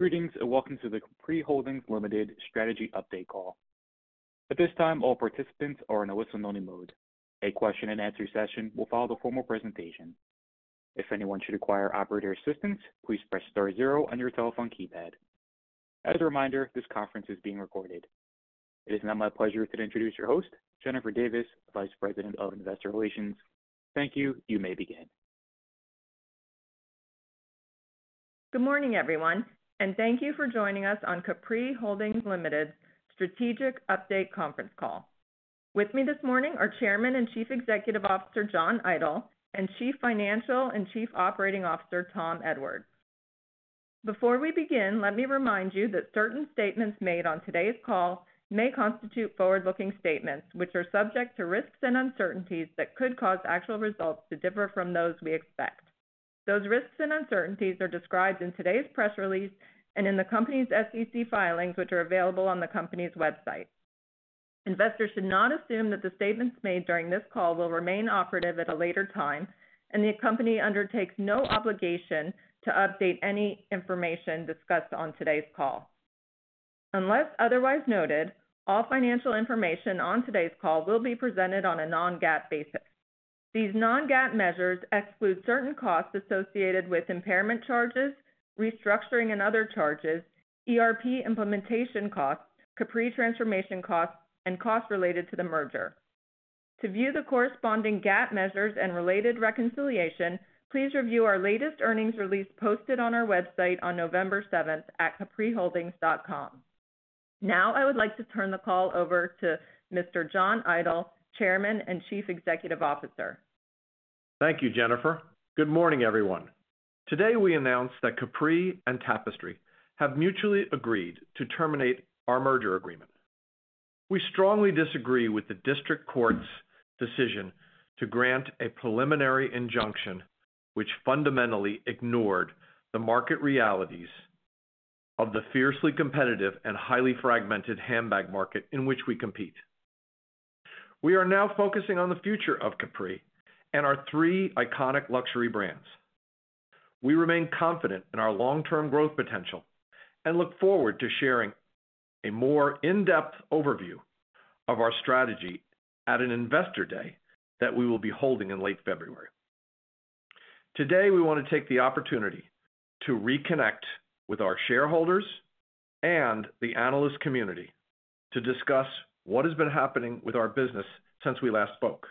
Greetings and welcome to the Capri Holdings Limited Strategy Update Call. At this time, all participants are in a listen-only mode. A question-and-answer session will follow the formal presentation. If anyone should require operator assistance, please press star zero on your telephone keypad. As a reminder, this conference is being recorded. It is now my pleasure to introduce your host, Jennifer Davis, Vice President of Investor Relations. Thank you. You may begin. Good morning, everyone, and thank you for joining us on Capri Holdings Limited's strategic update conference call. With me this morning are Chairman and Chief Executive Officer John Idol and Chief Financial and Chief Operating Officer Tom Edwards. Before we begin, let me remind you that certain statements made on today's call may constitute forward-looking statements, which are subject to risks and uncertainties that could cause actual results to differ from those we expect. Those risks and uncertainties are described in today's press release and in the company's SEC filings, which are available on the company's website. Investors should not assume that the statements made during this call will remain operative at a later time, and the company undertakes no obligation to update any information discussed on today's call. Unless otherwise noted, all financial information on today's call will be presented on a non-GAAP basis. These non-GAAP measures exclude certain costs associated with impairment charges, restructuring and other charges, ERP implementation costs, Capri transformation costs, and costs related to the merger. To view the corresponding GAAP measures and related reconciliation, please review our latest earnings release posted on our website on November 7th at capriholdings.com. Now, I would like to turn the call over to Mr. John Idol, Chairman and Chief Executive Officer. Thank you, Jennifer. Good morning, everyone. Today, we announce that Capri and Tapestry have mutually agreed to terminate our merger agreement. We strongly disagree with the district court's decision to grant a preliminary injunction which fundamentally ignored the market realities of the fiercely competitive and highly fragmented handbag market in which we compete. We are now focusing on the future of Capri and our three iconic luxury brands. We remain confident in our long-term growth potential and look forward to sharing a more in-depth overview of our strategy at an investor day that we will be holding in late February. Today, we want to take the opportunity to reconnect with our shareholders and the analyst community to discuss what has been happening with our business since we last spoke.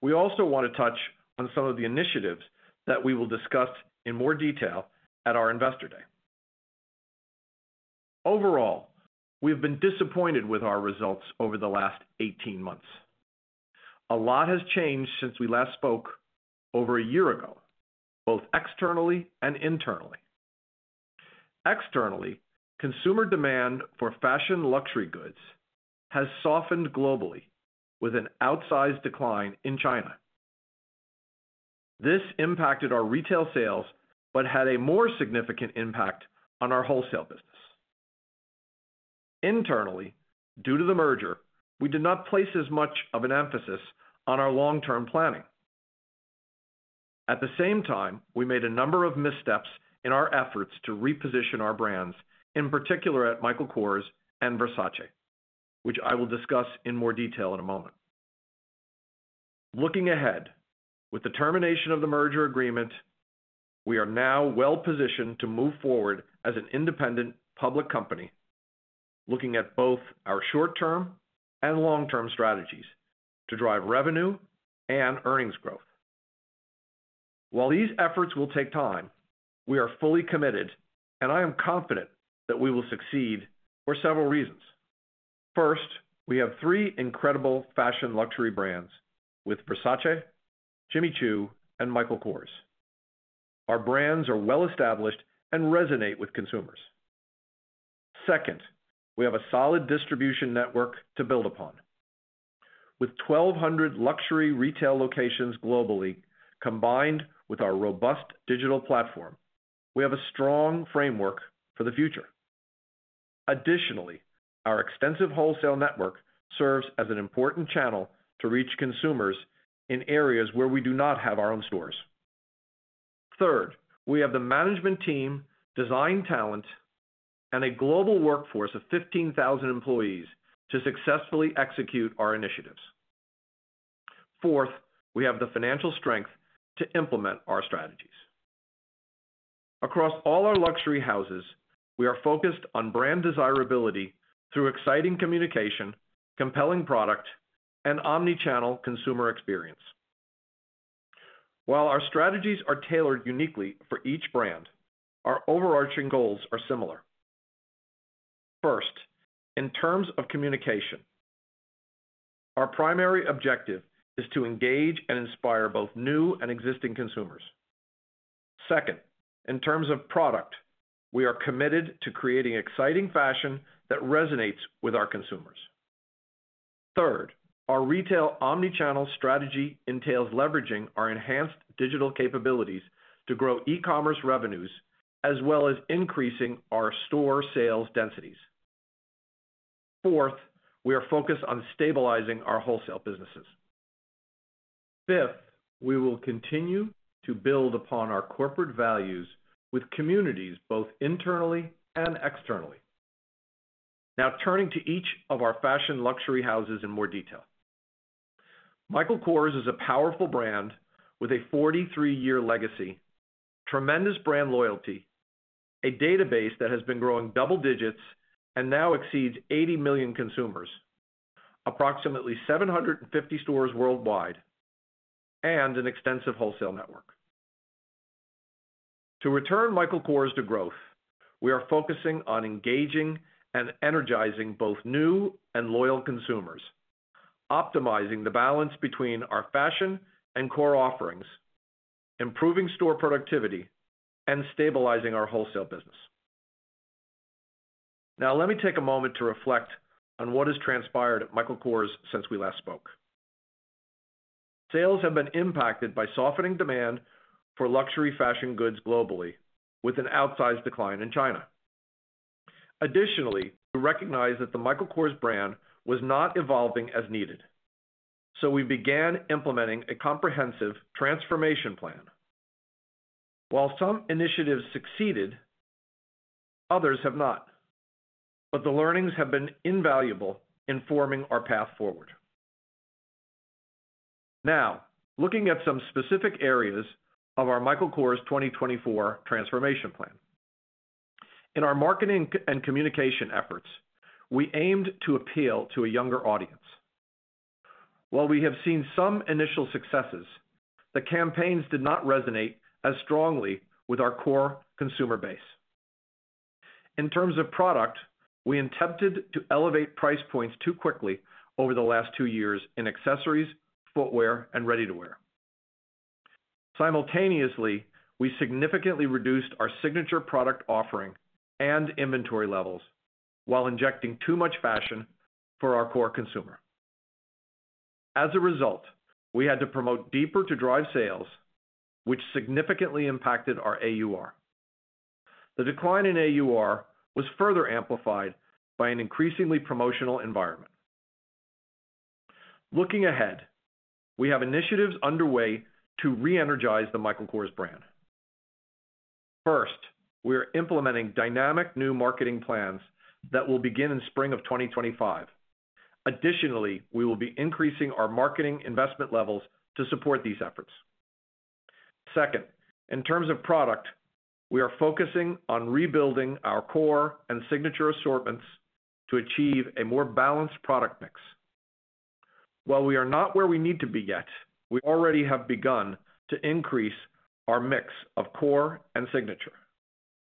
We also want to touch on some of the initiatives that we will discuss in more detail at our investor day. Overall, we have been disappointed with our results over the last 18 months. A lot has changed since we last spoke over a year ago, both externally and internally. Externally, consumer demand for fashion luxury goods has softened globally with an outsized decline in China. This impacted our retail sales but had a more significant impact on our wholesale business. Internally, due to the merger, we did not place as much of an emphasis on our long-term planning. At the same time, we made a number of missteps in our efforts to reposition our brands, in particular at Michael Kors and Versace, which I will discuss in more detail in a moment. Looking ahead with the termination of the merger agreement, we are now well-positioned to move forward as an independent public company, looking at both our short-term and long-term strategies to drive revenue and earnings growth. While these efforts will take time, we are fully committed, and I am confident that we will succeed for several reasons. First, we have three incredible fashion luxury brands with Versace, Jimmy Choo, and Michael Kors. Our brands are well-established and resonate with consumers. Second, we have a solid distribution network to build upon. With 1,200 luxury retail locations globally combined with our robust digital platform, we have a strong framework for the future. Additionally, our extensive wholesale network serves as an important channel to reach consumers in areas where we do not have our own stores. Third, we have the management team, design talent, and a global workforce of 15,000 employees to successfully execute our initiatives. Fourth, we have the financial strength to implement our strategies. Across all our luxury houses, we are focused on brand desirability through exciting communication, compelling product, and omnichannel consumer experience. While our strategies are tailored uniquely for each brand, our overarching goals are similar. First, in terms of communication, our primary objective is to engage and inspire both new and existing consumers. Second, in terms of product, we are committed to creating exciting fashion that resonates with our consumers. Third, our retail omnichannel strategy entails leveraging our enhanced digital capabilities to grow e-commerce revenues as well as increasing our store sales densities. Fourth, we are focused on stabilizing our wholesale businesses. Fifth, we will continue to build upon our corporate values with communities both internally and externally. Now, turning to each of our fashion luxury houses in more detail. Michael Kors is a powerful brand with a 43-year legacy, tremendous brand loyalty, a database that has been growing double digits and now exceeds 80 million consumers, approximately 750 stores worldwide, and an extensive wholesale network. To return Michael Kors to growth, we are focusing on engaging and energizing both new and loyal consumers, optimizing the balance between our fashion and core offerings, improving store productivity, and stabilizing our wholesale business. Now, let me take a moment to reflect on what has transpired at Michael Kors since we last spoke. Sales have been impacted by softening demand for luxury fashion goods globally with an outsized decline in China. Additionally, we recognize that the Michael Kors brand was not evolving as needed, so we began implementing a comprehensive transformation plan. While some initiatives succeeded, others have not, but the learnings have been invaluable in forming our path forward. Now, looking at some specific areas of our Michael Kors 2024 transformation plan. In our marketing and communication efforts, we aimed to appeal to a younger audience. While we have seen some initial successes, the campaigns did not resonate as strongly with our core consumer base. In terms of product, we attempted to elevate price points too quickly over the last two years in accessories, footwear, and ready-to-wear. Simultaneously, we significantly reduced our signature product offering and inventory levels while injecting too much fashion for our core consumer. As a result, we had to promote deeper to drive sales, which significantly impacted our AUR. The decline in AUR was further amplified by an increasingly promotional environment. Looking ahead, we have initiatives underway to re-energize the Michael Kors brand. First, we are implementing dynamic new marketing plans that will begin in spring of 2025. Additionally, we will be increasing our marketing investment levels to support these efforts. Second, in terms of product, we are focusing on rebuilding our core and signature assortments to achieve a more balanced product mix. While we are not where we need to be yet, we already have begun to increase our mix of core and signature.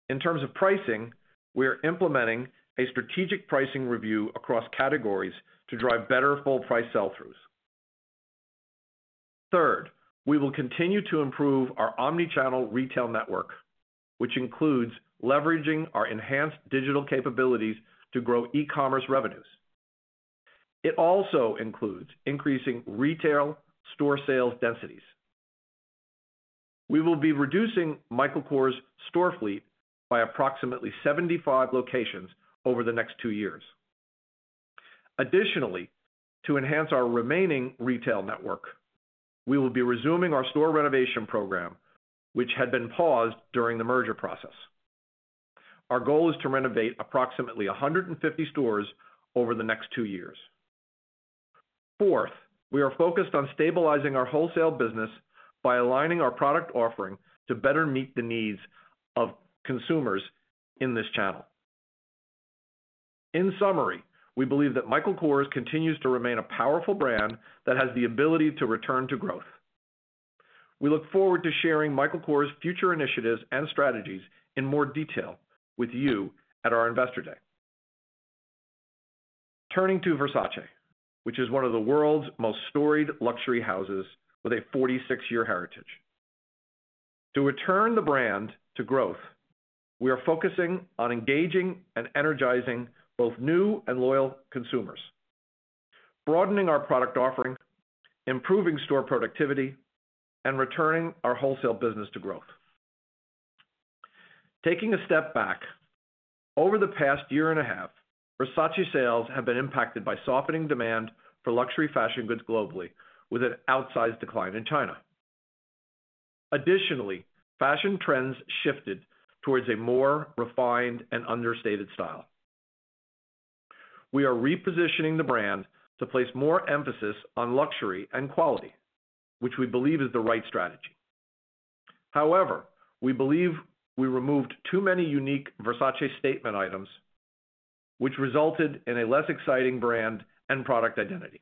In terms of pricing, we are implementing a strategic pricing review across categories to drive better full-price sell-throughs. Third, we will continue to improve our omnichannel retail network, which includes leveraging our enhanced digital capabilities to grow e-commerce revenues. It also includes increasing retail store sales densities. We will be reducing Michael Kors' store fleet by approximately 75 locations over the next two years. Additionally, to enhance our remaining retail network, we will be resuming our store renovation program, which had been paused during the merger process. Our goal is to renovate approximately 150 stores over the next two years. Fourth, we are focused on stabilizing our wholesale business by aligning our product offering to better meet the needs of consumers in this channel. In summary, we believe that Michael Kors continues to remain a powerful brand that has the ability to return to growth. We look forward to sharing Michael Kors' future initiatives and strategies in more detail with you at our investor day. Turning to Versace, which is one of the world's most storied luxury houses with a 46-year heritage. To return the brand to growth, we are focusing on engaging and energizing both new and loyal consumers, broadening our product offering, improving store productivity, and returning our wholesale business to growth. Taking a step back, over the past year and a half, Versace sales have been impacted by softening demand for luxury fashion goods globally with an outsized decline in China. Additionally, fashion trends shifted towards a more refined and understated style. We are repositioning the brand to place more emphasis on luxury and quality, which we believe is the right strategy. However, we believe we removed too many unique Versace statement items, which resulted in a less exciting brand and product identity.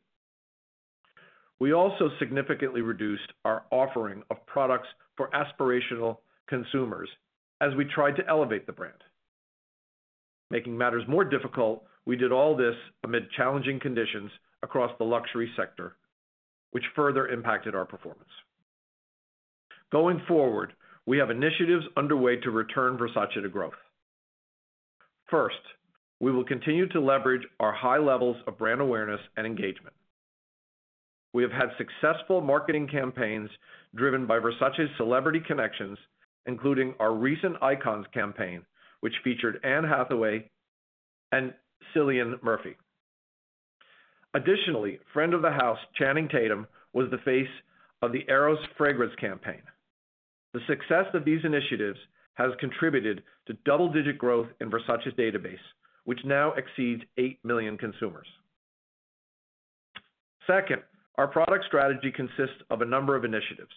We also significantly reduced our offering of products for aspirational consumers as we tried to elevate the brand. Making matters more difficult, we did all this amid challenging conditions across the luxury sector, which further impacted our performance. Going forward, we have initiatives underway to return Versace to growth. First, we will continue to leverage our high levels of brand awareness and engagement. We have had successful marketing campaigns driven by Versace's celebrity connections, including our recent Icons campaign, which featured Anne Hathaway and Cillian Murphy. Additionally, friend of the house Channing Tatum was the face of the Eros Fragrance campaign. The success of these initiatives has contributed to double-digit growth in Versace's database, which now exceeds eight million consumers. Second, our product strategy consists of a number of initiatives.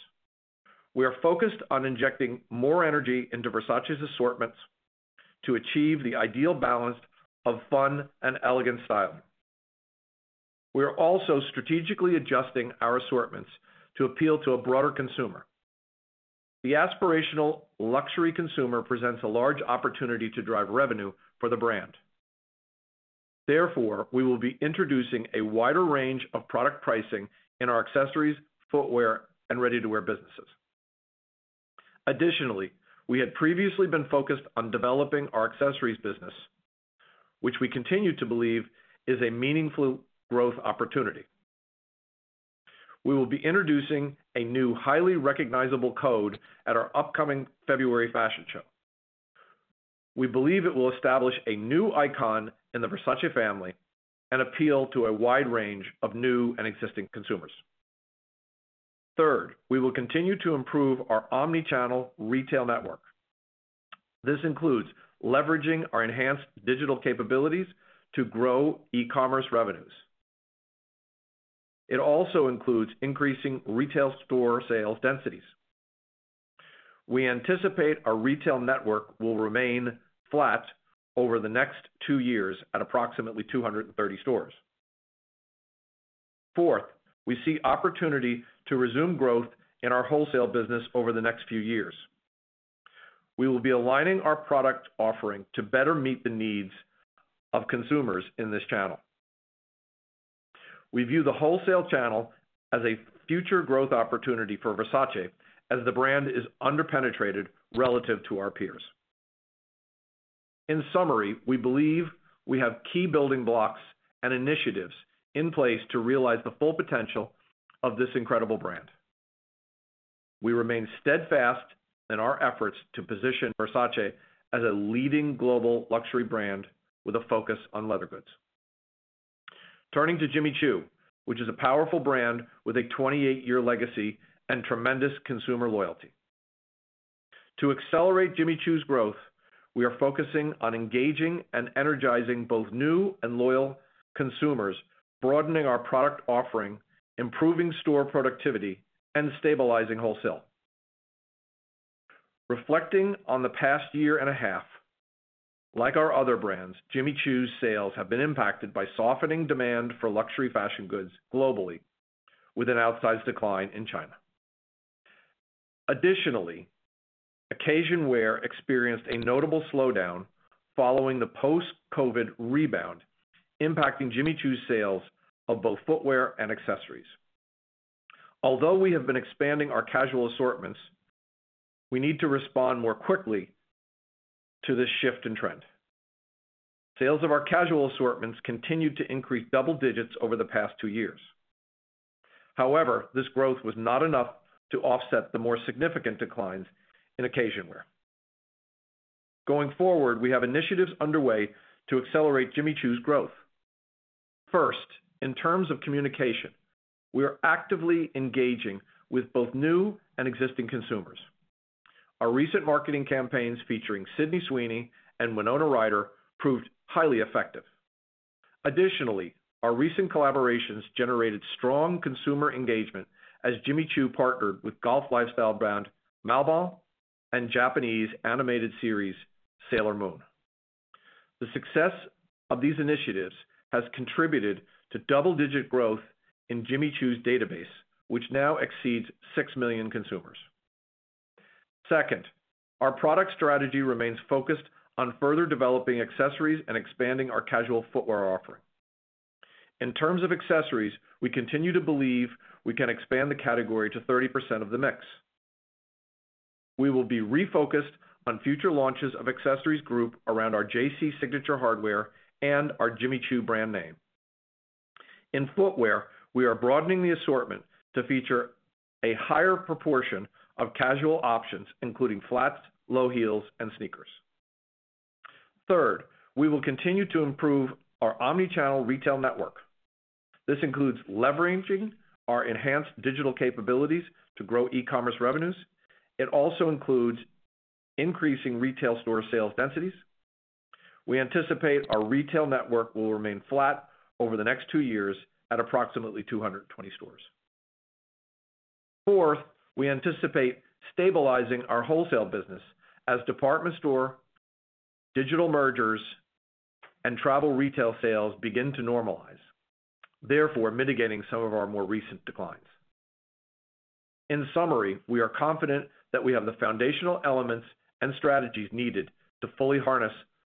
We are focused on injecting more energy into Versace's assortments to achieve the ideal balance of fun and elegant style. We are also strategically adjusting our assortments to appeal to a broader consumer. The aspirational luxury consumer presents a large opportunity to drive revenue for the brand. Therefore, we will be introducing a wider range of product pricing in our accessories, footwear, and ready-to-wear businesses. Additionally, we had previously been focused on developing our accessories business, which we continue to believe is a meaningful growth opportunity. We will be introducing a new highly recognizable code at our upcoming February fashion show. We believe it will establish a new icon in the Versace family and appeal to a wide range of new and existing consumers. Third, we will continue to improve our omnichannel retail network. This includes leveraging our enhanced digital capabilities to grow e-commerce revenues. It also includes increasing retail store sales densities. We anticipate our retail network will remain flat over the next two years at approximately 230 stores. Fourth, we see opportunity to resume growth in our wholesale business over the next few years. We will be aligning our product offering to better meet the needs of consumers in this channel. We view the wholesale channel as a future growth opportunity for Versace, as the brand is underpenetrated relative to our peers. In summary, we believe we have key building blocks and initiatives in place to realize the full potential of this incredible brand. We remain steadfast in our efforts to position Versace as a leading global luxury brand with a focus on leather goods. Turning to Jimmy Choo, which is a powerful brand with a 28-year legacy and tremendous consumer loyalty. To accelerate Jimmy Choo's growth, we are focusing on engaging and energizing both new and loyal consumers, broadening our product offering, improving store productivity, and stabilizing wholesale. Reflecting on the past year and a half, like our other brands, Jimmy Choo's sales have been impacted by softening demand for luxury fashion goods globally with an outsized decline in China. Additionally, occasion wear experienced a notable slowdown following the post-COVID rebound, impacting Jimmy Choo's sales of both footwear and accessories. Although we have been expanding our casual assortments, we need to respond more quickly to this shift in trend. Sales of our casual assortments continued to increase double digits over the past two years. However, this growth was not enough to offset the more significant declines in occasion wear. Going forward, we have initiatives underway to accelerate Jimmy Choo's growth. First, in terms of communication, we are actively engaging with both new and existing consumers. Our recent marketing campaigns featuring Sydney Sweeney and Winona Ryder proved highly effective. Additionally, our recent collaborations generated strong consumer engagement as Jimmy Choo partnered with golf lifestyle brand Malbon and Japanese animated series Sailor Moon. The success of these initiatives has contributed to double-digit growth in Jimmy Choo's database, which now exceeds 6 million consumers. Second, our product strategy remains focused on further developing accessories and expanding our casual footwear offering. In terms of accessories, we continue to believe we can expand the category to 30% of the mix. We will be refocused on future launches of accessories group around our JC Signature Hardware and our Jimmy Choo brand name. In footwear, we are broadening the assortment to feature a higher proportion of casual options, including flats, low heels, and sneakers. Third, we will continue to improve our omnichannel retail network. This includes leveraging our enhanced digital capabilities to grow e-commerce revenues. It also includes increasing retail store sales densities. We anticipate our retail network will remain flat over the next two years at approximately 220 stores. Fourth, we anticipate stabilizing our wholesale business as department store digital mergers and travel retail sales begin to normalize, therefore mitigating some of our more recent declines. In summary, we are confident that we have the foundational elements and strategies needed to fully harness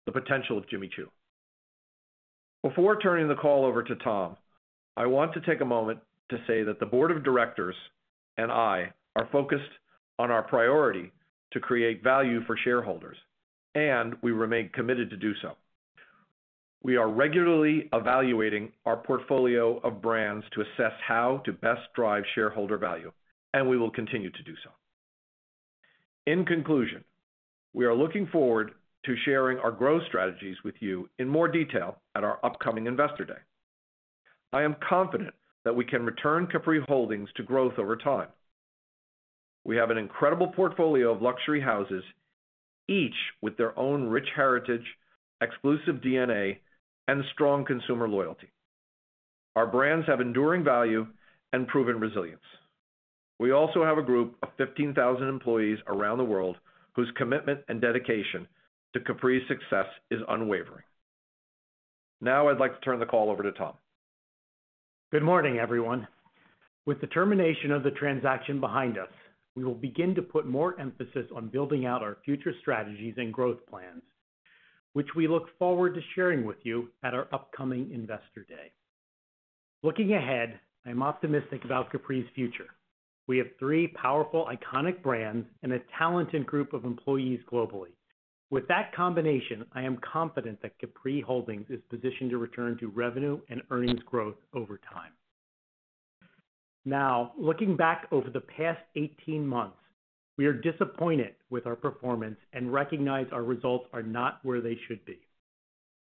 the potential of Jimmy Choo. Before turning the call over to Tom, I want to take a moment to say that the board of directors and I are focused on our priority to create value for shareholders, and we remain committed to do so. We are regularly evaluating our portfolio of brands to assess how to best drive shareholder value, and we will continue to do so. In conclusion, we are looking forward to sharing our growth strategies with you in more detail at our upcoming investor day. I am confident that we can return Capri Holdings to growth over time. We have an incredible portfolio of luxury houses, each with their own rich heritage, exclusive DNA, and strong consumer loyalty. Our brands have enduring value and proven resilience. We also have a group of 15,000 employees around the world whose commitment and dedication to Capri's success is unwavering. Now, I'd like to turn the call over to Tom. Good morning, everyone. With the termination of the transaction behind us, we will begin to put more emphasis on building out our future strategies and growth plans, which we look forward to sharing with you at our upcoming investor day. Looking ahead, I am optimistic about Capri's future. We have three powerful, iconic brands and a talented group of employees globally. With that combination, I am confident that Capri Holdings is positioned to return to revenue and earnings growth over time. Now, looking back over the past 18 months, we are disappointed with our performance and recognize our results are not where they should be.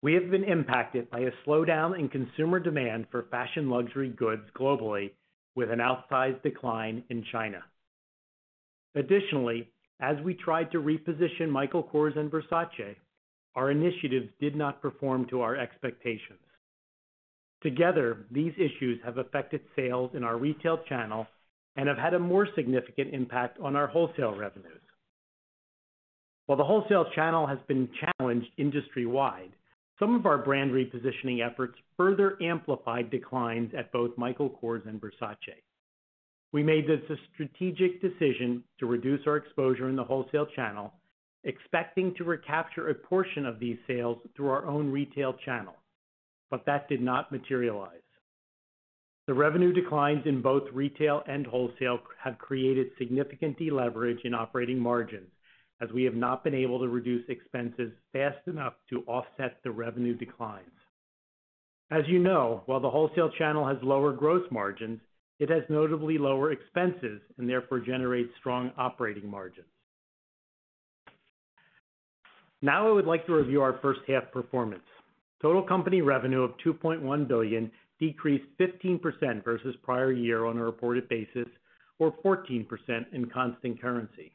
We have been impacted by a slowdown in consumer demand for fashion luxury goods globally with an outsized decline in China. Additionally, as we tried to reposition Michael Kors and Versace, our initiatives did not perform to our expectations. Together, these issues have affected sales in our retail channel and have had a more significant impact on our wholesale revenues. While the wholesale channel has been challenged industry-wide, some of our brand repositioning efforts further amplified declines at both Michael Kors and Versace. We made this a strategic decision to reduce our exposure in the wholesale channel, expecting to recapture a portion of these sales through our own retail channel, but that did not materialize. The revenue declines in both retail and wholesale have created significant deleverage in operating margins as we have not been able to reduce expenses fast enough to offset the revenue declines. As you know, while the wholesale channel has lower gross margins, it has notably lower expenses and therefore generates strong operating margins. Now, I would like to review our first-half performance. Total company revenue of $2.1 billion decreased 15% versus prior year on a reported basis or 14% in constant currency.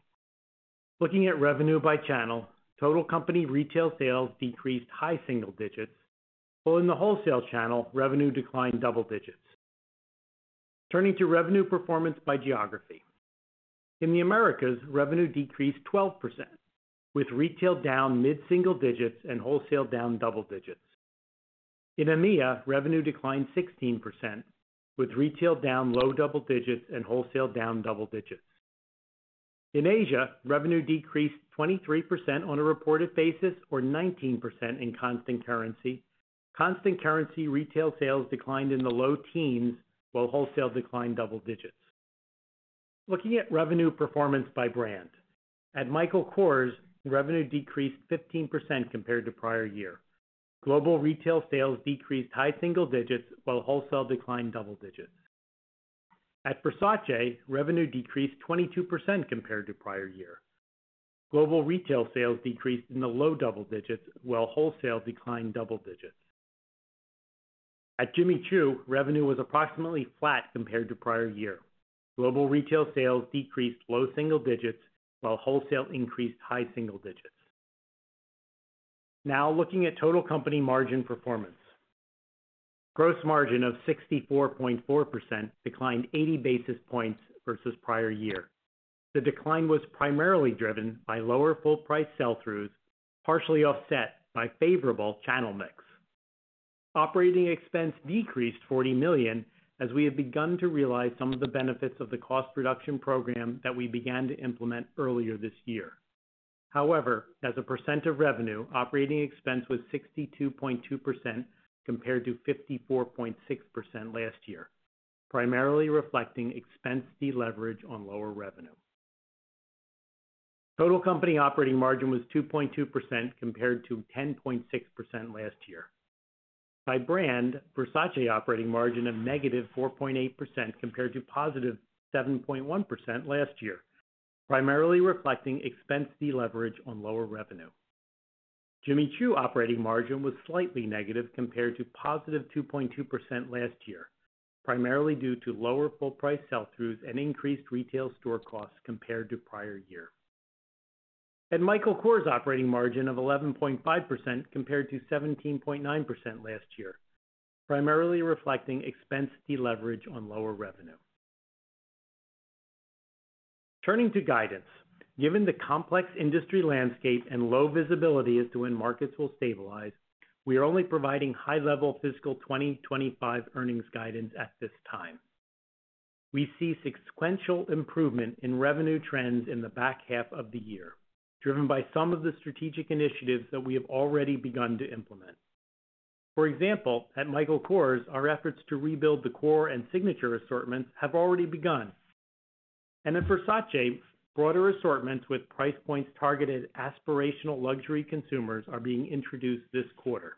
Looking at revenue by channel, total company retail sales decreased high single digits, while in the wholesale channel, revenue declined double digits. Turning to revenue performance by geography. In the Americas, revenue decreased 12%, with retail down mid-single digits and wholesale down double digits. In EMEA, revenue declined 16%, with retail down low double digits and wholesale down double digits. In Asia, revenue decreased 23% on a reported basis or 19% in constant currency. Constant currency retail sales declined in the low teens while wholesale declined double digits. Looking at revenue performance by brand, at Michael Kors, revenue decreased 15% compared to prior year. Global retail sales decreased high single digits while wholesale declined double digits. At Versace, revenue decreased 22% compared to prior year. Global retail sales decreased in the low double digits while wholesale declined double digits. At Jimmy Choo, revenue was approximately flat compared to prior year. Global retail sales decreased low single digits while wholesale increased high single digits. Now, looking at total company margin performance, gross margin of 64.4% declined 80 basis points versus prior year. The decline was primarily driven by lower full-price sell-throughs, partially offset by favorable channel mix. Operating expense decreased $40 million as we had begun to realize some of the benefits of the cost reduction program that we began to implement earlier this year. However, as a percent of revenue, operating expense was 62.2% compared to 54.6% last year, primarily reflecting expense deleverage on lower revenue. Total company operating margin was 2.2% compared to 10.6% last year. By brand, Versace operating margin of negative 4.8% compared to positive 7.1% last year, primarily reflecting expense deleverage on lower revenue. Jimmy Choo operating margin was slightly negative compared to positive 2.2% last year, primarily due to lower full-price sell-throughs and increased retail store costs compared to prior year. At Michael Kors, operating margin of 11.5% compared to 17.9% last year, primarily reflecting expense deleverage on lower revenue. Turning to guidance, given the complex industry landscape and low visibility as to when markets will stabilize, we are only providing high-level fiscal 2025 earnings guidance at this time. We see sequential improvement in revenue trends in the back half of the year, driven by some of the strategic initiatives that we have already begun to implement. For example, at Michael Kors, our efforts to rebuild the core and signature assortments have already begun, and at Versace, broader assortments with price points targeted at aspirational luxury consumers are being introduced this quarter.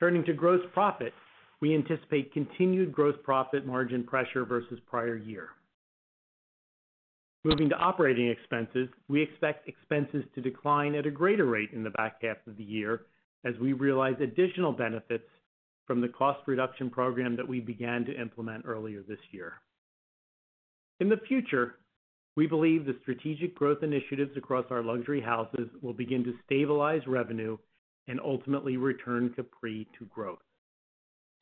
Turning to gross profit, we anticipate continued gross profit margin pressure versus prior year. Moving to operating expenses, we expect expenses to decline at a greater rate in the back half of the year as we realize additional benefits from the cost reduction program that we began to implement earlier this year. In the future, we believe the strategic growth initiatives across our luxury houses will begin to stabilize revenue and ultimately return Capri to growth.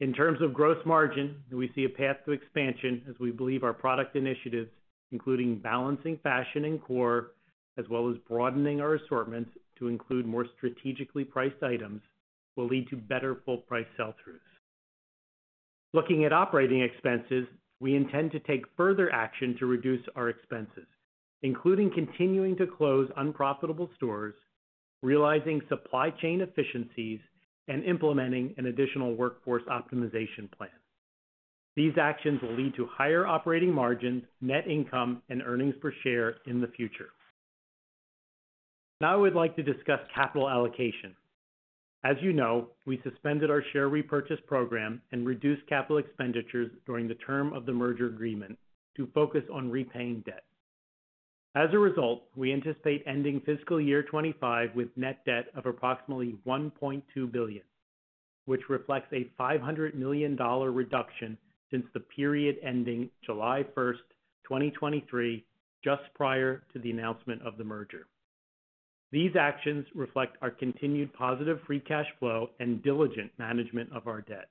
In terms of gross margin, we see a path to expansion as we believe our product initiatives, including balancing fashion and core as well as broadening our assortments to include more strategically priced items, will lead to better full-price sell-throughs. Looking at operating expenses, we intend to take further action to reduce our expenses, including continuing to close unprofitable stores, realizing supply chain efficiencies, and implementing an additional workforce optimization plan. These actions will lead to higher operating margins, net income, and earnings per share in the future. Now, I would like to discuss capital allocation. As you know, we suspended our share repurchase program and reduced capital expenditures during the term of the merger agreement to focus on repaying debt. As a result, we anticipate ending fiscal year '25 with net debt of approximately $1.2 billion, which reflects a $500 million reduction since the period ending July 1st, 2023, just prior to the announcement of the merger. These actions reflect our continued positive free cash flow and diligent management of our debt.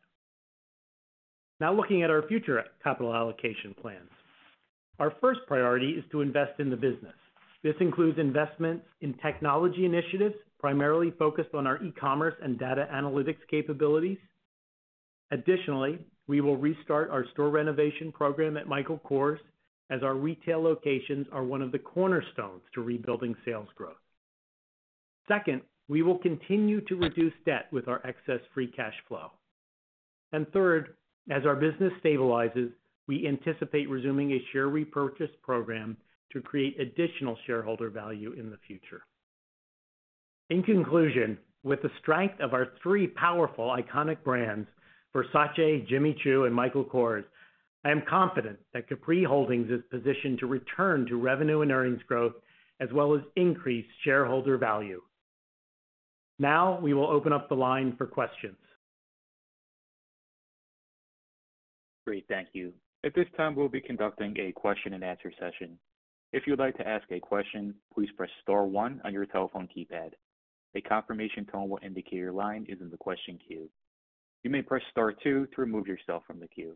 Now, looking at our future capital allocation plans, our first priority is to invest in the business. This includes investments in technology initiatives primarily focused on our e-commerce and data analytics capabilities. Additionally, we will restart our store renovation program at Michael Kors as our retail locations are one of the cornerstones to rebuilding sales growth. Second, we will continue to reduce debt with our excess free cash flow. And third, as our business stabilizes, we anticipate resuming a share repurchase program to create additional shareholder value in the future. In conclusion, with the strength of our three powerful, iconic brands, Versace, Jimmy Choo, and Michael Kors, I am confident that Capri Holdings is positioned to return to revenue and earnings growth as well as increased shareholder value. Now, we will open up the line for questions. Great. Thank you. At this time, we'll be conducting a question-and-answer session. If you'd like to ask a question, please press Star 1 on your telephone keypad. A confirmation tone will indicate your line is in the question queue. You may press Star 2 to remove yourself from the queue.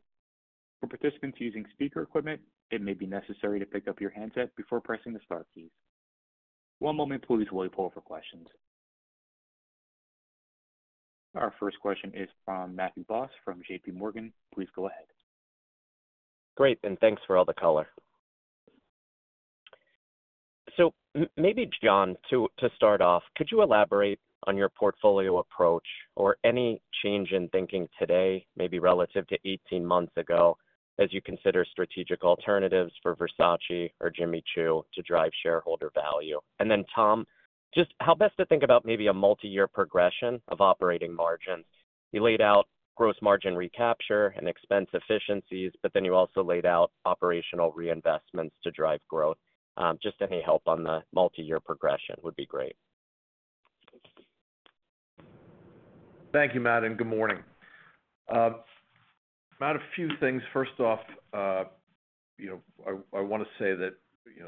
For participants using speaker equipment, it may be necessary to pick up your handset before pressing the Star keys. One moment, please, while we pull up our questions. Our first question is from Matthew Boss from J.P. Morgan. Please go ahead. Great. And thanks for all the color. So maybe, John, to start off, could you elaborate on your portfolio approach or any change in thinking today, maybe relative to 18 months ago, as you consider strategic alternatives for Versace or Jimmy Choo to drive shareholder value? And then, Tom, just how best to think about maybe a multi-year progression of operating margins. You laid out gross margin recapture and expense efficiencies, but then you also laid out operational reinvestments to drive growth. Just any help on the multi-year progression would be great. Thank you, Matt. And good morning, Matt. A few things. First off, I want to say that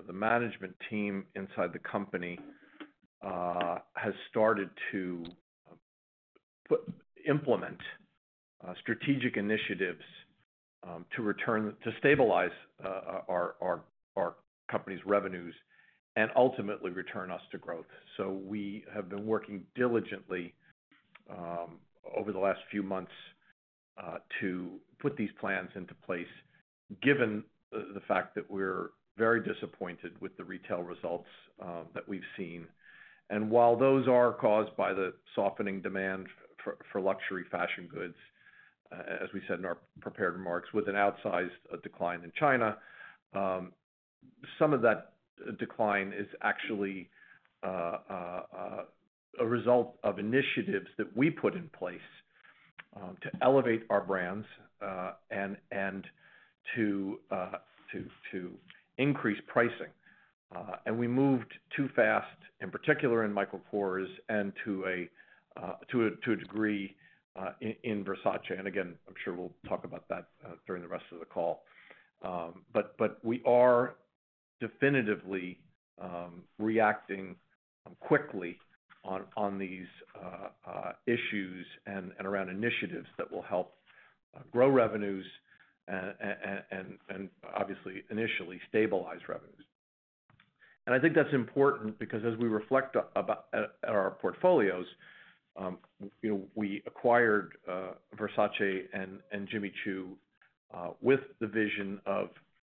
the management team inside the company has started to implement strategic initiatives to stabilize our company's revenues and ultimately return us to growth. So we have been working diligently over the last few months to put these plans into place, given the fact that we're very disappointed with the retail results that we've seen, and while those are caused by the softening demand for luxury fashion goods, as we said in our prepared remarks, with an outsized decline in China, some of that decline is actually a result of initiatives that we put in place to elevate our brands and to increase pricing, and we moved too fast, in particular in Michael Kors and to a degree in Versace, and again, I'm sure we'll talk about that during the rest of the call, but we are definitively reacting quickly on these issues and around initiatives that will help grow revenues and, obviously, initially stabilize revenues. And I think that's important because as we reflect on our portfolios, we acquired Versace and Jimmy Choo with the vision of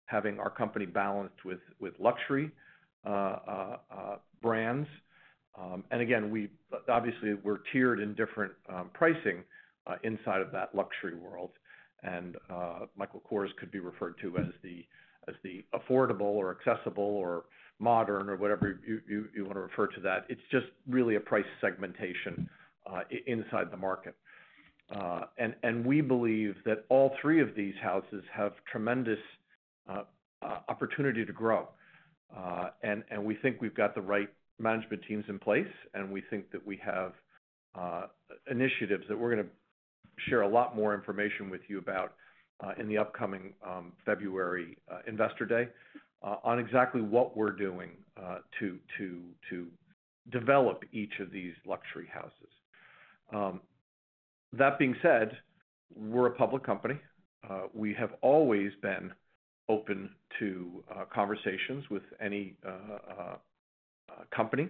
having our company balanced with luxury brands. And again, obviously, we're tiered in different pricing inside of that luxury world. And Michael Kors could be referred to as the affordable or accessible or modern or whatever you want to refer to that. It's just really a price segmentation inside the market. And we believe that all three of these houses have tremendous opportunity to grow. And we think we've got the right management teams in place, and we think that we have initiatives that we're going to share a lot more information with you about in the upcoming February Investor Day on exactly what we're doing to develop each of these luxury houses. That being said, we're a public company. We have always been open to conversations with any company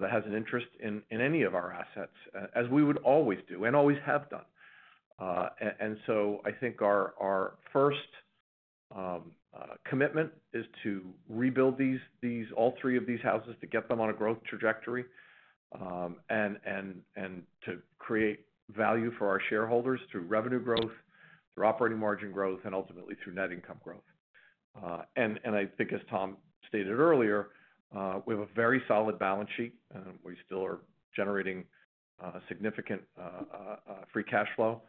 that has an interest in any of our assets, as we would always do and always have done. And so I think our first commitment is to rebuild all three of these houses to get them on a growth trajectory and to create value for our shareholders through revenue growth, through operating margin growth, and ultimately through net income growth. And I think, as Tom stated earlier, we have a very solid balance sheet, and we still are generating significant free cash flow.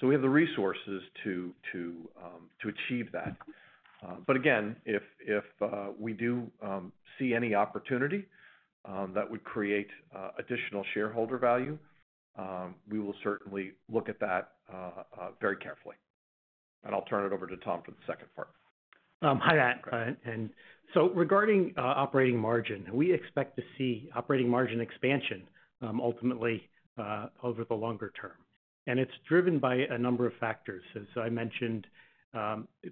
So we have the resources to achieve that. But again, if we do see any opportunity that would create additional shareholder value, we will certainly look at that very carefully. And I'll turn it over to Tom for the second part. Hi, Matt. And so regarding operating margin, we expect to see operating margin expansion ultimately over the longer term. And it's driven by a number of factors. As I mentioned,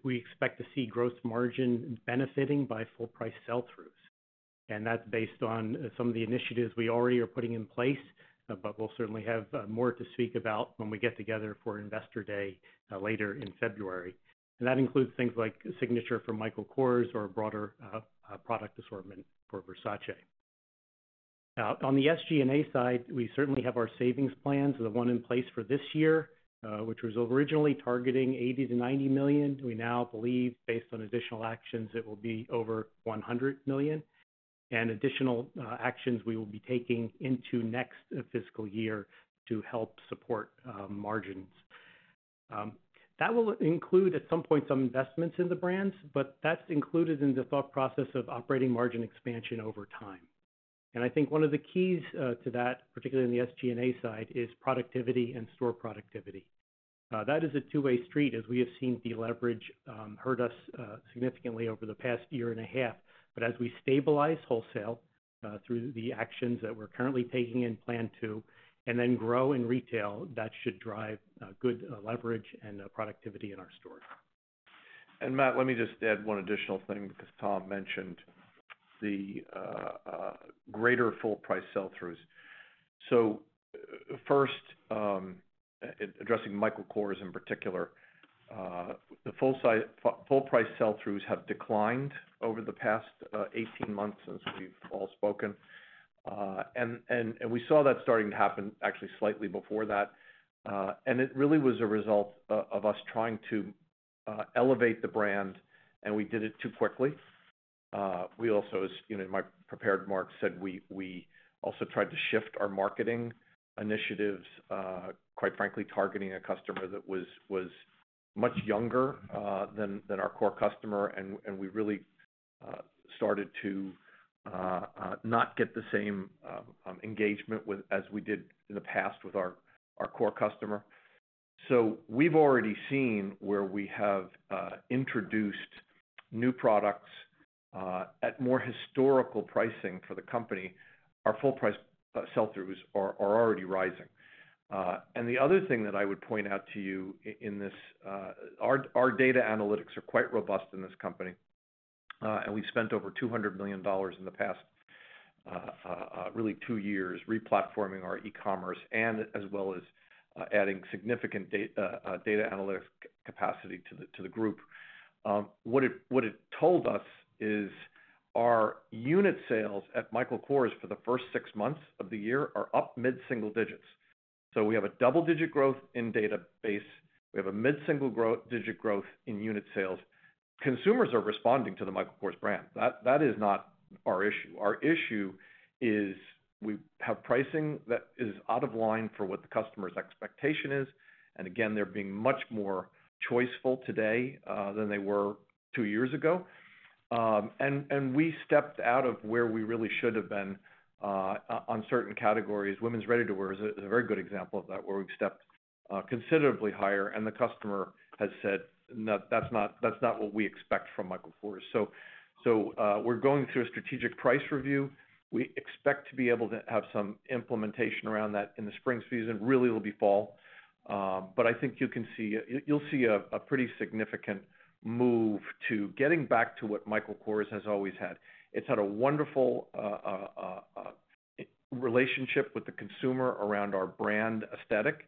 we expect to see gross margin benefiting by full-price sell-throughs. And that's based on some of the initiatives we already are putting in place, but we'll certainly have more to speak about when we get together for Investor Day later in February. And that includes things like signature for Michael Kors or broader product assortment for Versace. On the SG&A side, we certainly have our savings plans, the one in place for this year, which was originally targeting $80 million-$90 million. We now believe, based on additional actions, it will be over $100 million. And additional actions we will be taking into next fiscal year to help support margins. That will include, at some point, some investments in the brands, but that's included in the thought process of operating margin expansion over time. I think one of the keys to that, particularly on the SG&A side, is productivity and store productivity. That is a two-way street, as we have seen deleverage hurt us significantly over the past year and a half. As we stabilize wholesale through the actions that we're currently taking and plan to, and then grow in retail, that should drive good leverage and productivity in our stores. Matt, let me just add one additional thing because Tom mentioned the greater full-price sell-throughs. First, addressing Michael Kors in particular, the full-price sell-throughs have declined over the past 18 months since we've all spoken. We saw that starting to happen actually slightly before that. And it really was a result of us trying to elevate the brand, and we did it too quickly. We also, as my prepared remarks said, we also tried to shift our marketing initiatives, quite frankly, targeting a customer that was much younger than our core customer. And we really started to not get the same engagement as we did in the past with our core customer. So we've already seen where we have introduced new products at more historical pricing for the company. Our full-price sell-throughs are already rising. And the other thing that I would point out to you in this, our data analytics are quite robust in this company. And we spent over $200 million in the past, really two years, replatforming our e-commerce and as well as adding significant data analytics capacity to the group. What it told us is our unit sales at Michael Kors for the first six months of the year are up mid-single digits. So we have a double-digit growth in database. We have a mid-single digit growth in unit sales. Consumers are responding to the Michael Kors brand. That is not our issue. Our issue is we have pricing that is out of line for what the customer's expectation is. And again, they're being much more choiceful today than they were two years ago. And we stepped out of where we really should have been on certain categories. Women's ready-to-wear is a very good example of that, where we've stepped considerably higher. And the customer has said, "No, that's not what we expect from Michael Kors." So we're going through a strategic price review. We expect to be able to have some implementation around that in the spring season. Really, it'll be fall. But I think you'll see a pretty significant move to getting back to what Michael Kors has always had. It's had a wonderful relationship with the consumer around our brand aesthetic.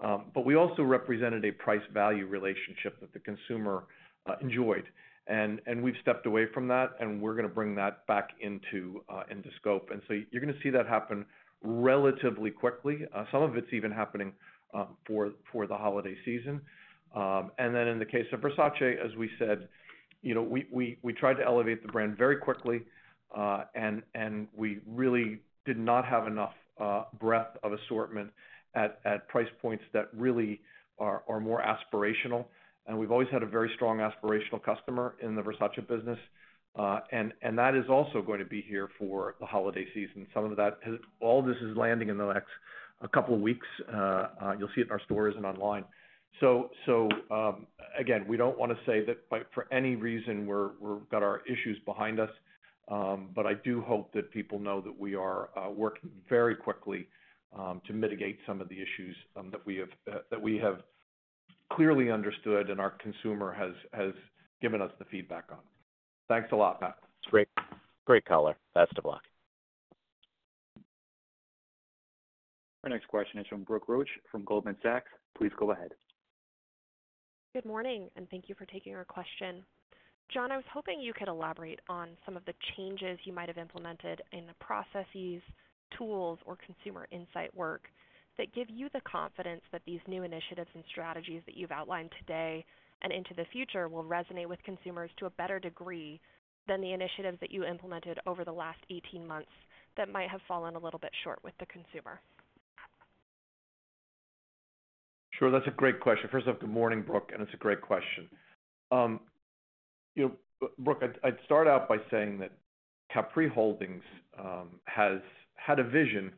But we also represented a price-value relationship that the consumer enjoyed. And we've stepped away from that, and we're going to bring that back into scope. And so you're going to see that happen relatively quickly. Some of it's even happening for the holiday season. And then in the case of Versace, as we said, we tried to elevate the brand very quickly, and we really did not have enough breadth of assortment at price points that really are more aspirational. And we've always had a very strong aspirational customer in the Versace business. And that is also going to be here for the holiday season. Some of that, all of this is landing in the next couple of weeks. You'll see it in our stores and online. So again, we don't want to say that for any reason we've got our issues behind us. But I do hope that people know that we are working very quickly to mitigate some of the issues that we have clearly understood and our consumer has given us the feedback on. Thanks a lot, Matt. Great. Great color. Best of luck. Our next question is from Brooke Roach from Goldman Sachs. Please go ahead. Good morning, and thank you for taking our question. John, I was hoping you could elaborate on some of the changes you might have implemented in the processes, tools, or consumer insight work that give you the confidence that these new initiatives and strategies that you've outlined today and into the future will resonate with consumers to a better degree than the initiatives that you implemented over the last 18 months that might have fallen a little bit short with the consumer? Sure. That's a great question. First off, good morning, Brooke, and it's a great question. Brooke, I'd start out by saying that Capri Holdings has had a vision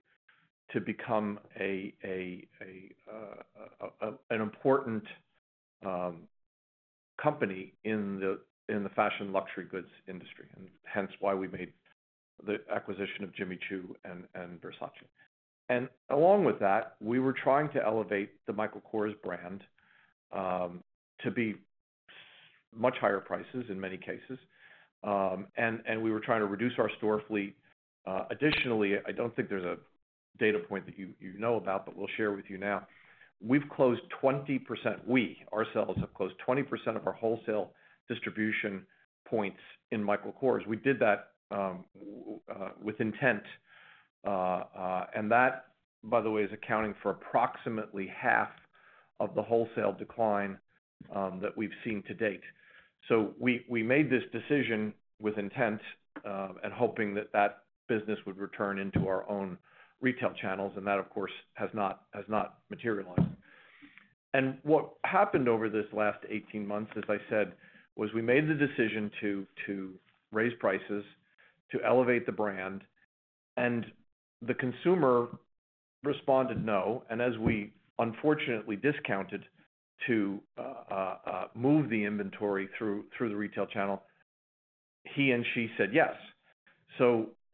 to become an important company in the fashion luxury goods industry, and hence why we made the acquisition of Jimmy Choo and Versace, and along with that, we were trying to elevate the Michael Kors brand to be much higher prices in many cases. We were trying to reduce our store fleet. Additionally, I don't think there's a data point that you know about, but we'll share with you now. We've closed 20%. We, ourselves, have closed 20% of our wholesale distribution points in Michael Kors. We did that with intent. That, by the way, is accounting for approximately half of the wholesale decline that we've seen to date. We made this decision with intent and hoping that that business would return into our own retail channels. That, of course, has not materialized. What happened over this last 18 months, as I said, was we made the decision to raise prices, to elevate the brand. The consumer responded, "No." As we unfortunately discounted to move the inventory through the retail channel, he and she said, "Yes."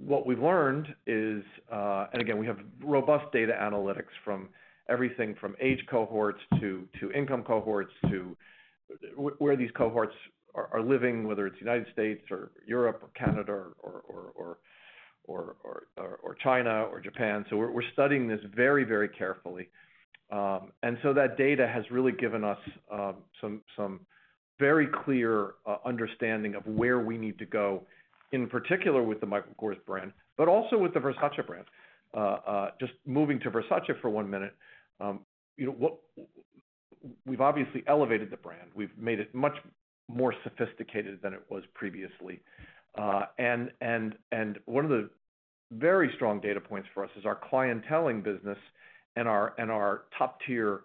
What we've learned is, and again, we have robust data analytics from everything from age cohorts to income cohorts to where these cohorts are living, whether it's United States or Europe or Canada or China or Japan. We're studying this very, very carefully. That data has really given us some very clear understanding of where we need to go, in particular with the Michael Kors brand, but also with the Versace brand. Just moving to Versace for one minute, we've obviously elevated the brand. We've made it much more sophisticated than it was previously. One of the very strong data points for us is our clienteling business and our top-tier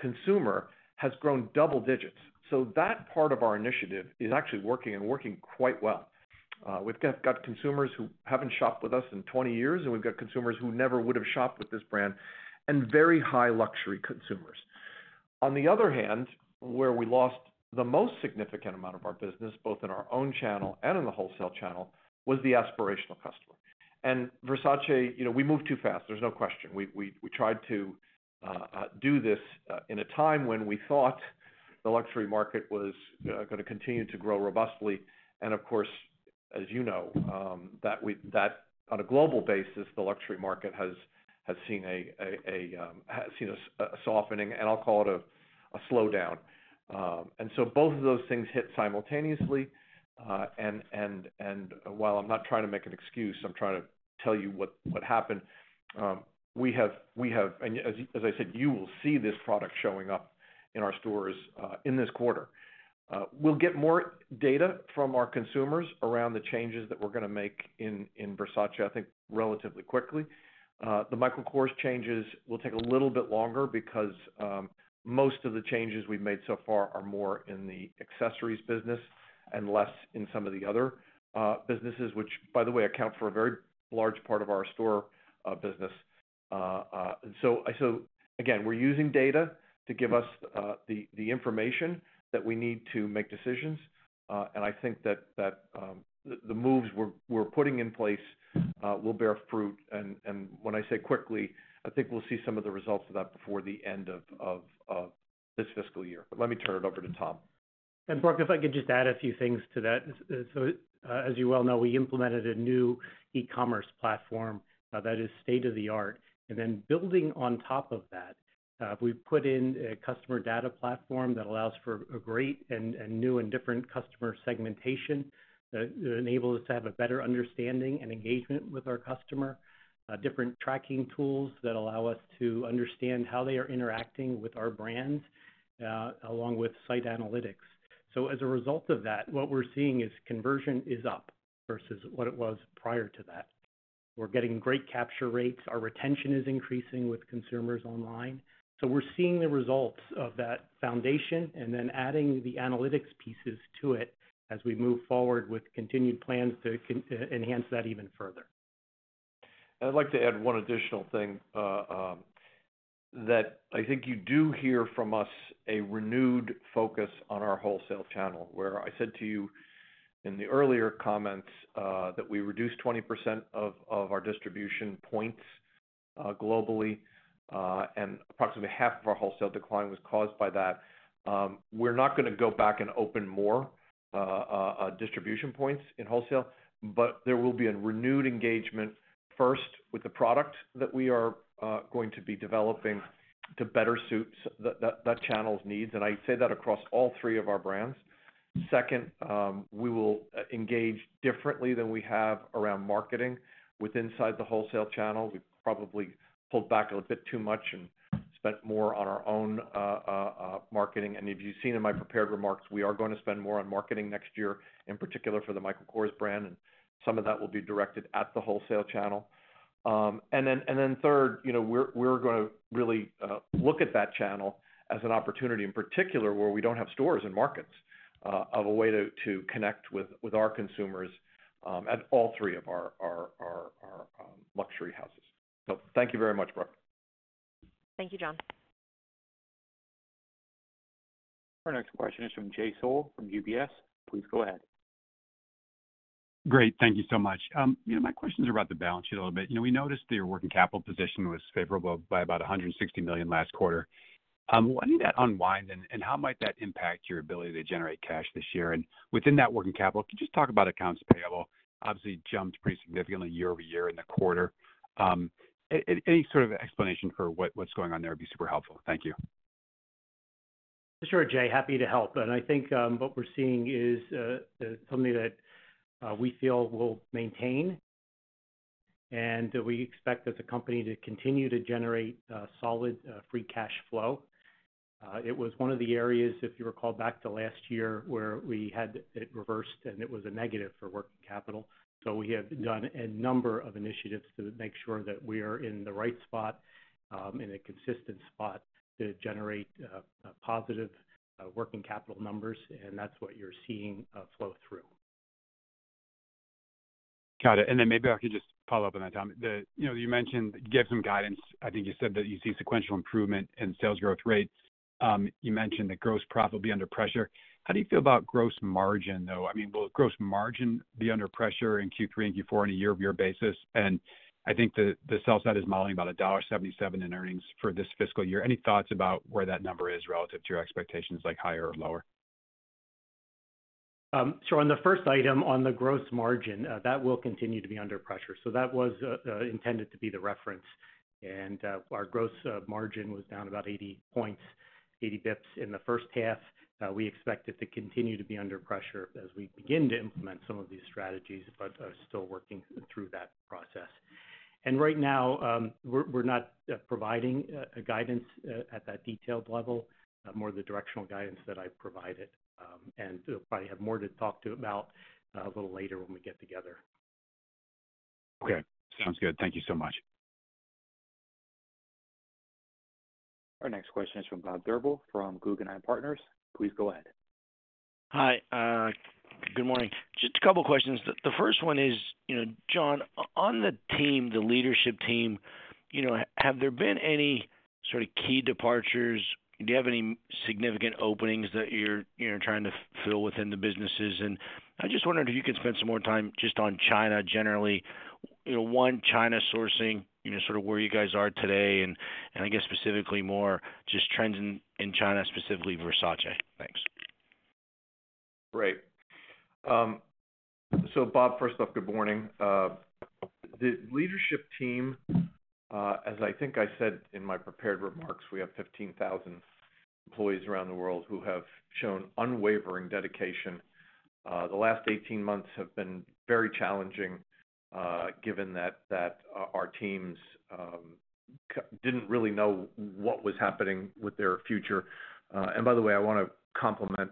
consumer has grown double digits. So that part of our initiative is actually working and working quite well. We've got consumers who haven't shopped with us in 20 years, and we've got consumers who never would have shopped with this brand, and very high luxury consumers. On the other hand, where we lost the most significant amount of our business, both in our own channel and in the wholesale channel, was the aspirational customer. And Versace, we moved too fast. There's no question. We tried to do this in a time when we thought the luxury market was going to continue to grow robustly. And of course, as you know, that on a global basis, the luxury market has seen a softening, and I'll call it a slowdown. And while I'm not trying to make an excuse, I'm trying to tell you what happened. We have, and as I said, you will see this product showing up in our stores in this quarter. We'll get more data from our consumers around the changes that we're going to make in Versace, I think, relatively quickly. The Michael Kors changes will take a little bit longer because most of the changes we've made so far are more in the accessories business and less in some of the other businesses, which, by the way, account for a very large part of our store business, so again, we're using data to give us the information that we need to make decisions, and I think that the moves we're putting in place will bear fruit, and when I say quickly, I think we'll see some of the results of that before the end of this fiscal year, but let me turn it over to Tom. And Brooke, if I could just add a few things to that. So as you well know, we implemented a new e-commerce platform that is state-of-the-art. And then building on top of that, we've put in a customer data platform that allows for a great and new and different customer segmentation that enables us to have a better understanding and engagement with our customer, different tracking tools that allow us to understand how they are interacting with our brands along with site analytics. So as a result of that, what we're seeing is conversion is up versus what it was prior to that. We're getting great capture rates. Our retention is increasing with consumers online. So we're seeing the results of that foundation and then adding the analytics pieces to it as we move forward with continued plans to enhance that even further. And I'd like to add one additional thing that I think you do hear from us: a renewed focus on our wholesale channel, where I said to you in the earlier comments that we reduced 20% of our distribution points globally, and approximately half of our wholesale decline was caused by that. We're not going to go back and open more distribution points in wholesale, but there will be a renewed engagement first with the product that we are going to be developing to better suit that channel's needs. And I'd say that across all three of our brands. Second, we will engage differently than we have around marketing with inside the wholesale channel. We've probably pulled back a bit too much and spent more on our own marketing. If you've seen in my prepared remarks, we are going to spend more on marketing next year, in particular for the Michael Kors brand. Some of that will be directed at the wholesale channel. Then third, we're going to really look at that channel as an opportunity in particular where we don't have stores and markets of a way to connect with our consumers at all three of our luxury houses. So thank you very much, Brooke. Thank you, John. Our next question is from Jay Sole from UBS. Please go ahead. Great. Thank you so much. My question's about the balance sheet a little bit. We noticed that your working capital position was favorable by about $160 million last quarter. Why did that unwind, and how might that impact your ability to generate cash this year? And within that working capital, can you just talk about accounts payable? Obviously, it jumped pretty significantly year over year in the quarter. Any sort of explanation for what's going on there would be super helpful. Thank you. Sure, Jay. Happy to help. And I think what we're seeing is something that we feel we'll maintain, and we expect as a company to continue to generate solid free cash flow. It was one of the areas, if you recall back to last year, where we had it reversed, and it was a negative for working capital. So we have done a number of initiatives to make sure that we are in the right spot and a consistent spot to generate positive working capital numbers, and that's what you're seeing flow through. Got it. And then maybe I could just follow up on that, Tom. You mentioned you gave some guidance. I think you said that you see sequential improvement in sales growth rate. You mentioned that gross profit will be under pressure. How do you feel about gross margin, though? I mean, will gross margin be under pressure in Q3 and Q4 on a year-over-year basis? And I think the sell side is modeling about $1.77 in earnings for this fiscal year. Any thoughts about where that number is relative to your expectations, like higher or lower? Sure. On the first item on the gross margin, that will continue to be under pressure. So that was intended to be the reference. And our gross margin was down about 80 basis points in the first half. We expect it to continue to be under pressure as we begin to implement some of these strategies, but are still working through that process. And right now, we're not providing guidance at that detailed level, more the directional guidance that I've provided. And I'll probably have more to talk to about a little later when we get together. Okay. Sounds good. Thank you so much. Our next question is from Bob Drbul from Guggenheim Partners. Please go ahead. Hi. Good morning. Just a couple of questions. The first one is, John, on the team, the leadership team, have there been any sort of key departures? Do you have any significant openings that you're trying to fill within the businesses? And I just wondered if you could spend some more time just on China generally, one China sourcing, sort of where you guys are today, and I guess specifically more just trends in China, specifically Versace. Thanks. Great. So Bob, first off, good morning. The leadership team, as I think I said in my prepared remarks, we have 15,000 employees around the world who have shown unwavering dedication. The last 18 months have been very challenging given that our teams didn't really know what was happening with their future. And by the way, I want to compliment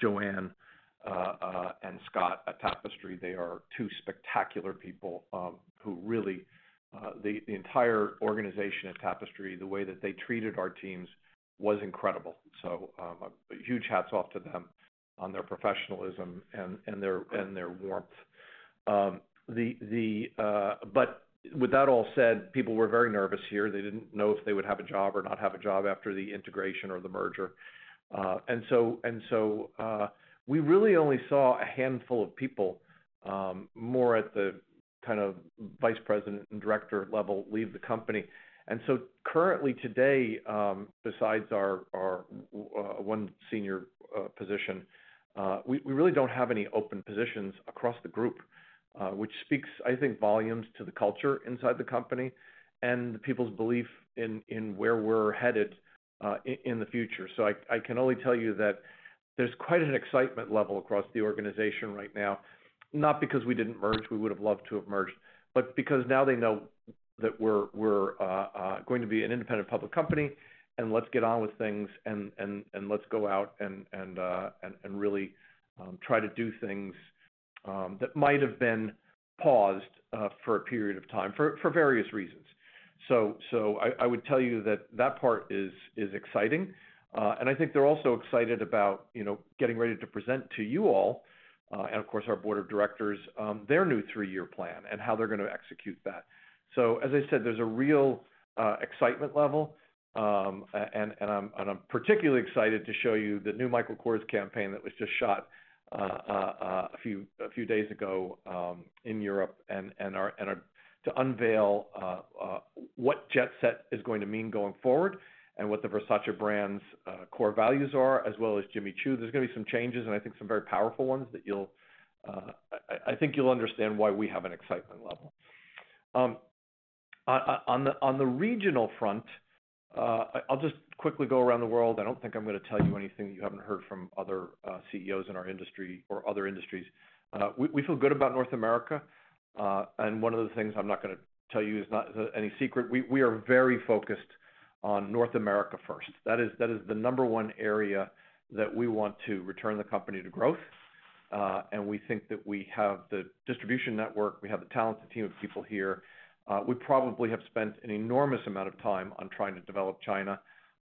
Joanne and Scott at Tapestry. They are two spectacular people who really the entire organization at Tapestry, the way that they treated our teams was incredible. So huge hats off to them on their professionalism and their warmth. But with that all said, people were very nervous here. They didn't know if they would have a job or not have a job after the integration or the merger. And so we really only saw a handful of people more at the kind of vice president and director level leave the company. And so currently today, besides our one senior position, we really don't have any open positions across the group, which speaks, I think, volumes to the culture inside the company and the people's belief in where we're headed in the future. So I can only tell you that there's quite an excitement level across the organization right now, not because we didn't merge. We would have loved to have merged, but because now they know that we're going to be an independent public company, and let's get on with things, and let's go out and really try to do things that might have been paused for a period of time for various reasons. So I would tell you that that part is exciting. I think they're also excited about getting ready to present to you all and, of course, our board of directors their new three-year plan and how they're going to execute that. As I said, there's a real excitement level. I'm particularly excited to show you the new Michael Kors campaign that was just shot a few days ago in Europe and to unveil what Jet Set is going to mean going forward and what the Versace brand's core values are, as well as Jimmy Choo. There's going to be some changes, and I think some very powerful ones that I think you'll understand why we have an excitement level. On the regional front, I'll just quickly go around the world. I don't think I'm going to tell you anything that you haven't heard from other CEOs in our industry or other industries. We feel good about North America. And one of the things I'm going to tell you is no secret. We are very focused on North America first. That is the number one area that we want to return the company to growth. And we think that we have the distribution network. We have the talent, the team of people here. We probably have spent an enormous amount of time on trying to develop China.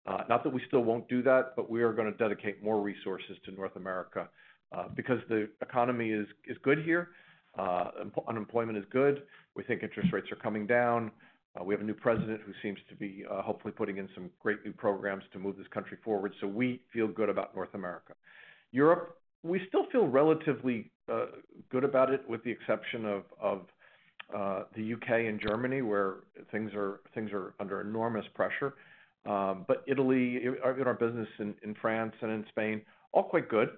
Not that we still won't do that, but we are going to dedicate more resources to North America because the economy is good here. Unemployment is good. We think interest rates are coming down. We have a new president who seems to be hopefully putting in some great new programs to move this country forward. So we feel good about North America. Europe, we still feel relatively good about it with the exception of the U.K. and Germany, where things are under enormous pressure. But Italy, our business in France and in Spain, all quite good.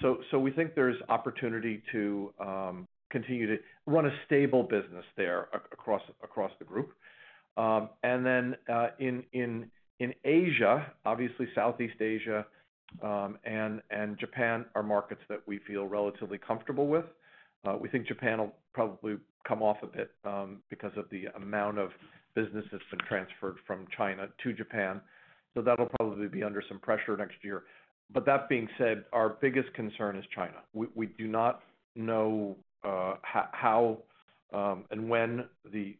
So we think there's opportunity to continue to run a stable business there across the group. And then in Asia, obviously, Southeast Asia and Japan are markets that we feel relatively comfortable with. We think Japan will probably come off a bit because of the amount of business that's been transferred from China to Japan. So that'll probably be under some pressure next year. But that being said, our biggest concern is China. We do not know how and when the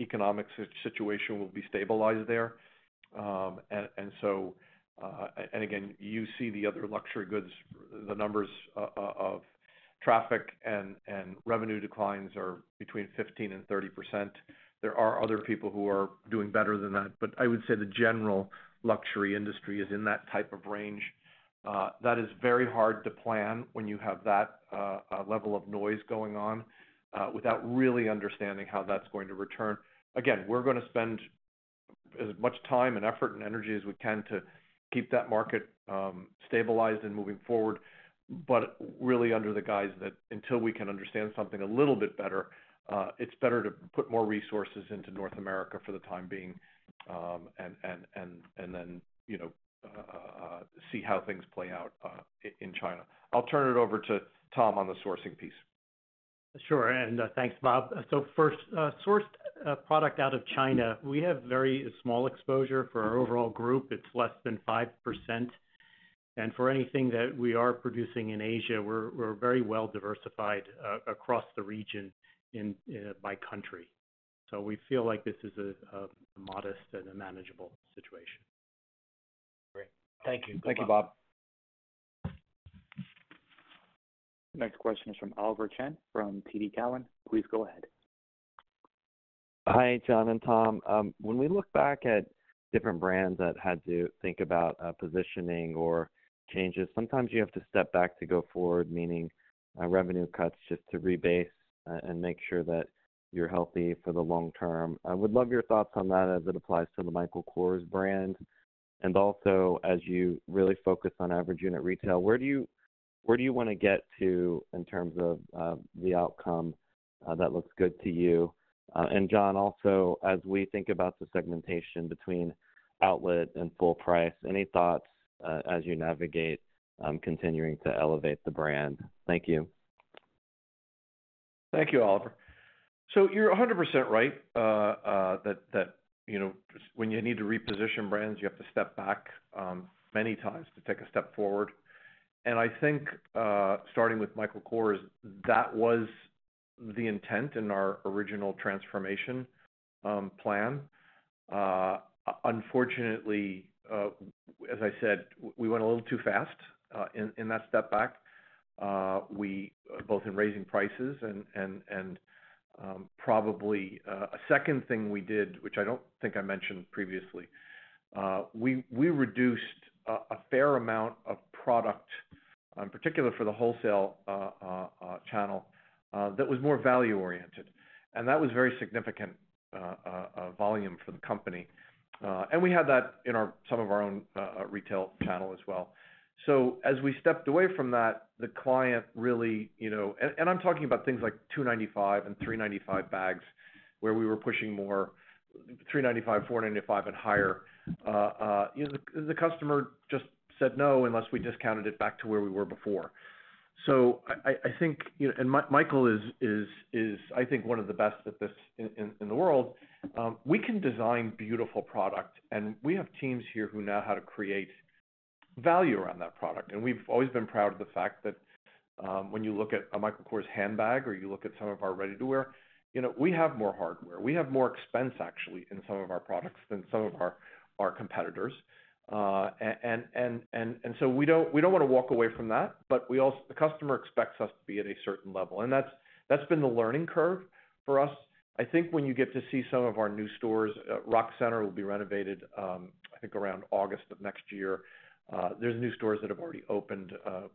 economic situation will be stabilized there. And again, you see the other luxury goods. The numbers of traffic and revenue declines are between 15% and 30%. There are other people who are doing better than that. But I would say the general luxury industry is in that type of range. That is very hard to plan when you have that level of noise going on without really understanding how that's going to return. Again, we're going to spend as much time and effort and energy as we can to keep that market stabilized and moving forward, but really under the guise that until we can understand something a little bit better, it's better to put more resources into North America for the time being and then see how things play out in China. I'll turn it over to Tom on the sourcing piece. Sure. And thanks, Bob. So first, sourced product out of China. We have very small exposure for our overall group. It's less than 5%. And for anything that we are producing in Asia, we're very well diversified across the region by country. So we feel like this is a modest and a manageable situation. Great. Thank you. Thank you, Bob. Next question is from Oliver Chen from TD Cowen. Please go ahead. Hi, John and Tom. When we look back at different brands that had to think about positioning or changes, sometimes you have to step back to go forward, meaning revenue cuts just to rebase and make sure that you're healthy for the long term. I would love your thoughts on that as it applies to the Michael Kors brand. And also, as you really focus on average unit retail, where do you want to get to in terms of the outcome that looks good to you? And John, also, as we think about the segmentation between outlet and full price, any thoughts as you navigate continuing to elevate the brand? Thank you. Thank you, Oliver. You're 100% right that when you need to reposition brands, you have to step back many times to take a step forward. And I think starting with Michael Kors, that was the intent in our original transformation plan. Unfortunately, as I said, we went a little too fast in that step back, both in raising prices and probably a second thing we did, which I don't think I mentioned previously, we reduced a fair amount of product, in particular for the wholesale channel, that was more value-oriented. And that was very significant volume for the company. And we had that in some of our own retail channel as well. As we stepped away from that, the client really, and I'm talking about things like $295 and $395 bags, where we were pushing more $395, $495, and higher, the customer just said no unless we discounted it back to where we were before. So I think, and Michael is, I think, one of the best at this in the world. We can design beautiful product, and we have teams here who know how to create value around that product. And we've always been proud of the fact that when you look at a Michael Kors handbag or you look at some of our ready-to-wear, we have more hardware. We have more expense, actually, in some of our products than some of our competitors. And so we don't want to walk away from that, but the customer expects us to be at a certain level. And that's been the learning curve for us. I think when you get to see some of our new stores, Rockefeller Center will be renovated, I think, around August of next year. There's new stores that have already opened,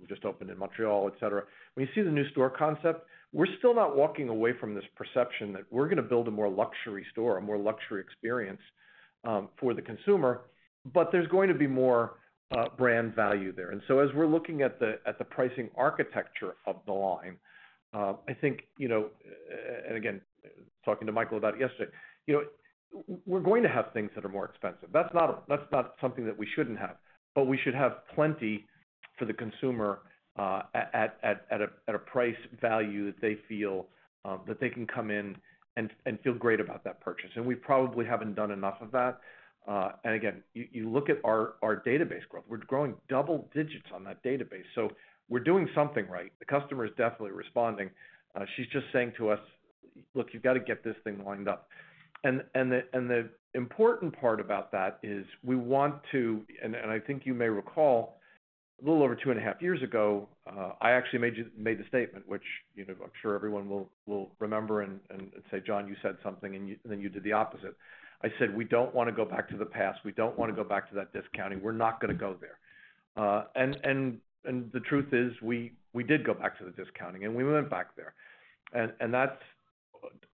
just opened in Montreal, etc. When you see the new store concept, we're still not walking away from this perception that we're going to build a more luxury store, a more luxury experience for the consumer, but there's going to be more brand value there. And so as we're looking at the pricing architecture of the line, I think, and again, talking to Michael about it yesterday, we're going to have things that are more expensive. That's not something that we shouldn't have, but we should have plenty for the consumer at a price value that they feel that they can come in and feel great about that purchase. And we probably haven't done enough of that. Again, you look at our database growth. We're growing double digits on that database. We're doing something right. The customer is definitely responding. She's just saying to us, "Look, you've got to get this thing lined up." The important part about that is we want to, and I think you may recall, a little over two and a half years ago, I actually made the statement, which I'm sure everyone will remember and say, "John, you said something, and then you did the opposite." I said, "We don't want to go back to the past. We don't want to go back to that discounting. We're not going to go there." The truth is, we did go back to the discounting, and we went back there. That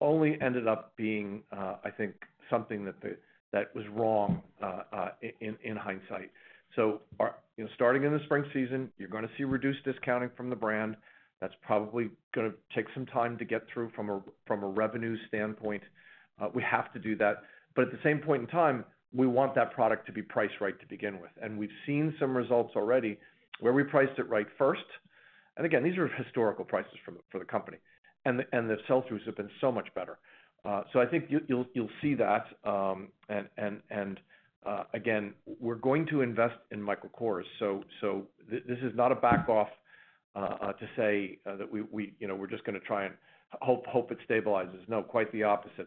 only ended up being, I think, something that was wrong in hindsight. So starting in the spring season, you're going to see reduced discounting from the brand. That's probably going to take some time to get through from a revenue standpoint. We have to do that. But at the same point in time, we want that product to be priced right to begin with. And we've seen some results already where we priced it right first. And again, these are historical prices for the company. And the sell-throughs have been so much better. So I think you'll see that. And again, we're going to invest in Michael Kors. So this is not a back off to say that we're just going to try and hope it stabilizes. No, quite the opposite.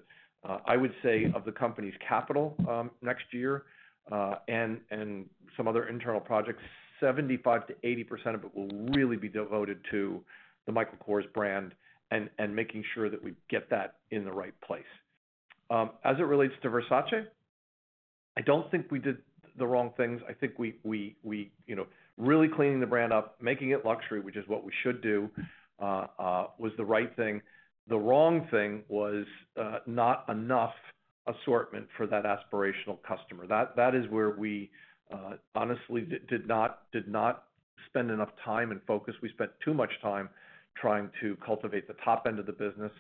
I would say of the company's capital next year and some other internal projects, 75%-80% of it will really be devoted to the Michael Kors brand and making sure that we get that in the right place. As it relates to Versace, I don't think we did the wrong things. I think we really cleaned the brand up, making it luxury, which is what we should do, was the right thing. The wrong thing was not enough assortment for that aspirational customer. That is where we honestly did not spend enough time and focus. We spent too much time trying to cultivate the top end of the business,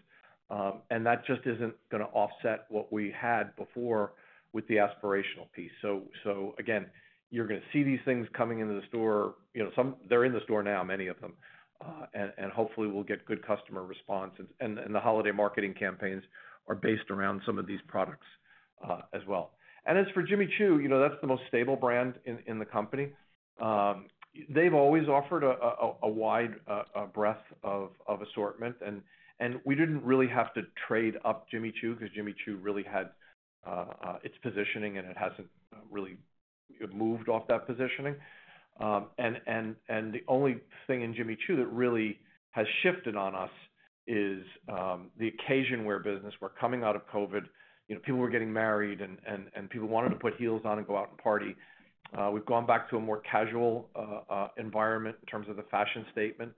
and that just isn't going to offset what we had before with the aspirational piece, so again, you're going to see these things coming into the store. They're in the store now, many of them. Hopefully, we'll get good customer response. The holiday marketing campaigns are based around some of these products as well. As for Jimmy Choo, that's the most stable brand in the company. They've always offered a wide breadth of assortment. We didn't really have to trade up Jimmy Choo because Jimmy Choo really had its positioning, and it hasn't really moved off that positioning. The only thing in Jimmy Choo that really has shifted on us is the occasion wear business. We're coming out of COVID. People were getting married, and people wanted to put heels on and go out and party. We've gone back to a more casual environment in terms of the fashion statement.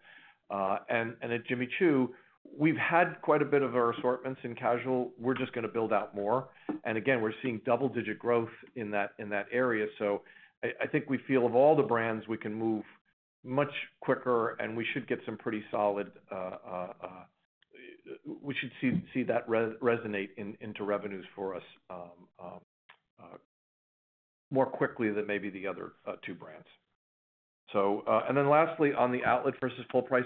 At Jimmy Choo, we've had quite a bit of our assortments in casual. We're just going to build out more. Again, we're seeing double-digit growth in that area. So I think we feel of all the brands, we can move much quicker, and we should get some pretty solid, we should see that resonate into revenues for us more quickly than maybe the other two brands. And then lastly, on the outlet versus full price,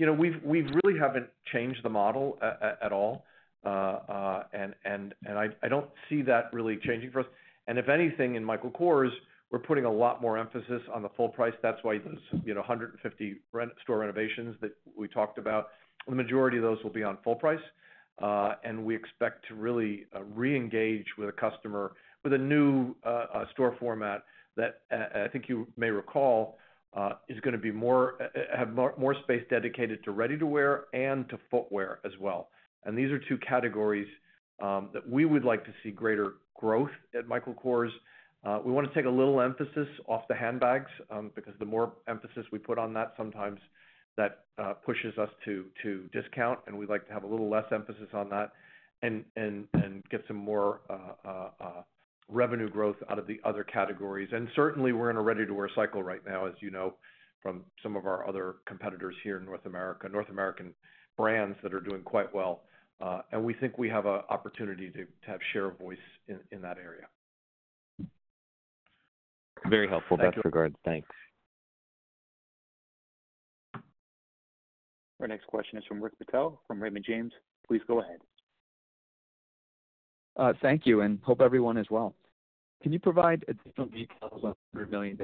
we really haven't changed the model at all. And I don't see that really changing for us. And if anything, in Michael Kors, we're putting a lot more emphasis on the full price. That's why those 150 store renovations that we talked about, the majority of those will be on full price. And we expect to really reengage with a customer with a new store format that I think you may recall is going to have more space dedicated to ready-to-wear and to footwear as well. And these are two categories that we would like to see greater growth at Michael Kors. We want to take a little emphasis off the handbags because the more emphasis we put on that, sometimes that pushes us to discount. And we'd like to have a little less emphasis on that and get some more revenue growth out of the other categories. And certainly, we're in a ready-to-wear cycle right now, as you know, from some of our other competitors here in North America, North American brands that are doing quite well. And we think we have an opportunity to have share of voice in that area. Very helpful. Thanks. Thanks. Our next question is from Rick Patel from Raymond James. Please go ahead. Thank you. And hope everyone is well. Can you provide additional details on the $100 million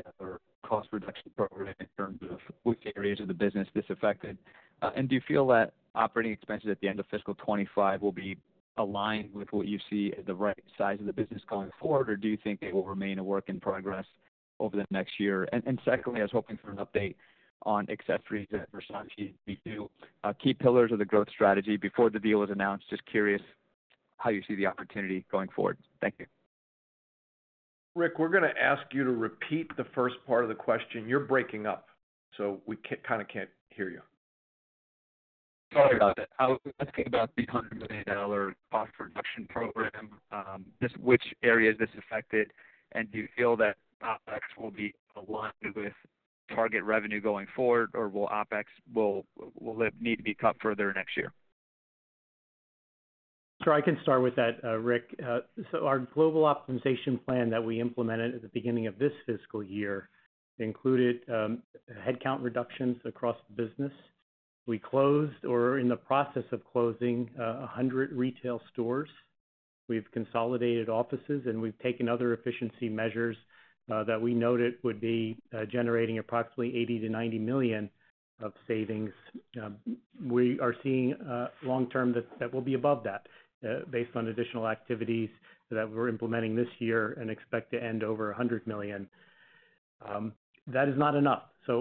cost reduction program in terms of which areas of the business this affected? Do you feel that operating expenses at the end of fiscal 2025 will be aligned with what you see as the right size of the business going forward, or do you think it will remain a work in progress over the next year? And secondly, I was hoping for an update on accessories that Versace and Jimmy Choo, key pillars of the growth strategy before the deal was announced. Just curious how you see the opportunity going forward. Thank you. Rick, we're going to ask you to repeat the first part of the question. You're breaking up, so we kind of can't hear you. Sorry about that. Asking about the $100 million cost reduction program, which areas this affected, and do you feel that OpEx will be aligned with target revenue going forward, or will OpEx need to be cut further next year? Sure. I can start with that, Rick. Our global optimization plan that we implemented at the beginning of this fiscal year included headcount reductions across the business. We closed or are in the process of closing 100 retail stores. We've consolidated offices, and we've taken other efficiency measures that we noted would be generating approximately $80-$90 million of savings. We are seeing long-term that we'll be above that based on additional activities that we're implementing this year and expect to end over $100 million. That is not enough. I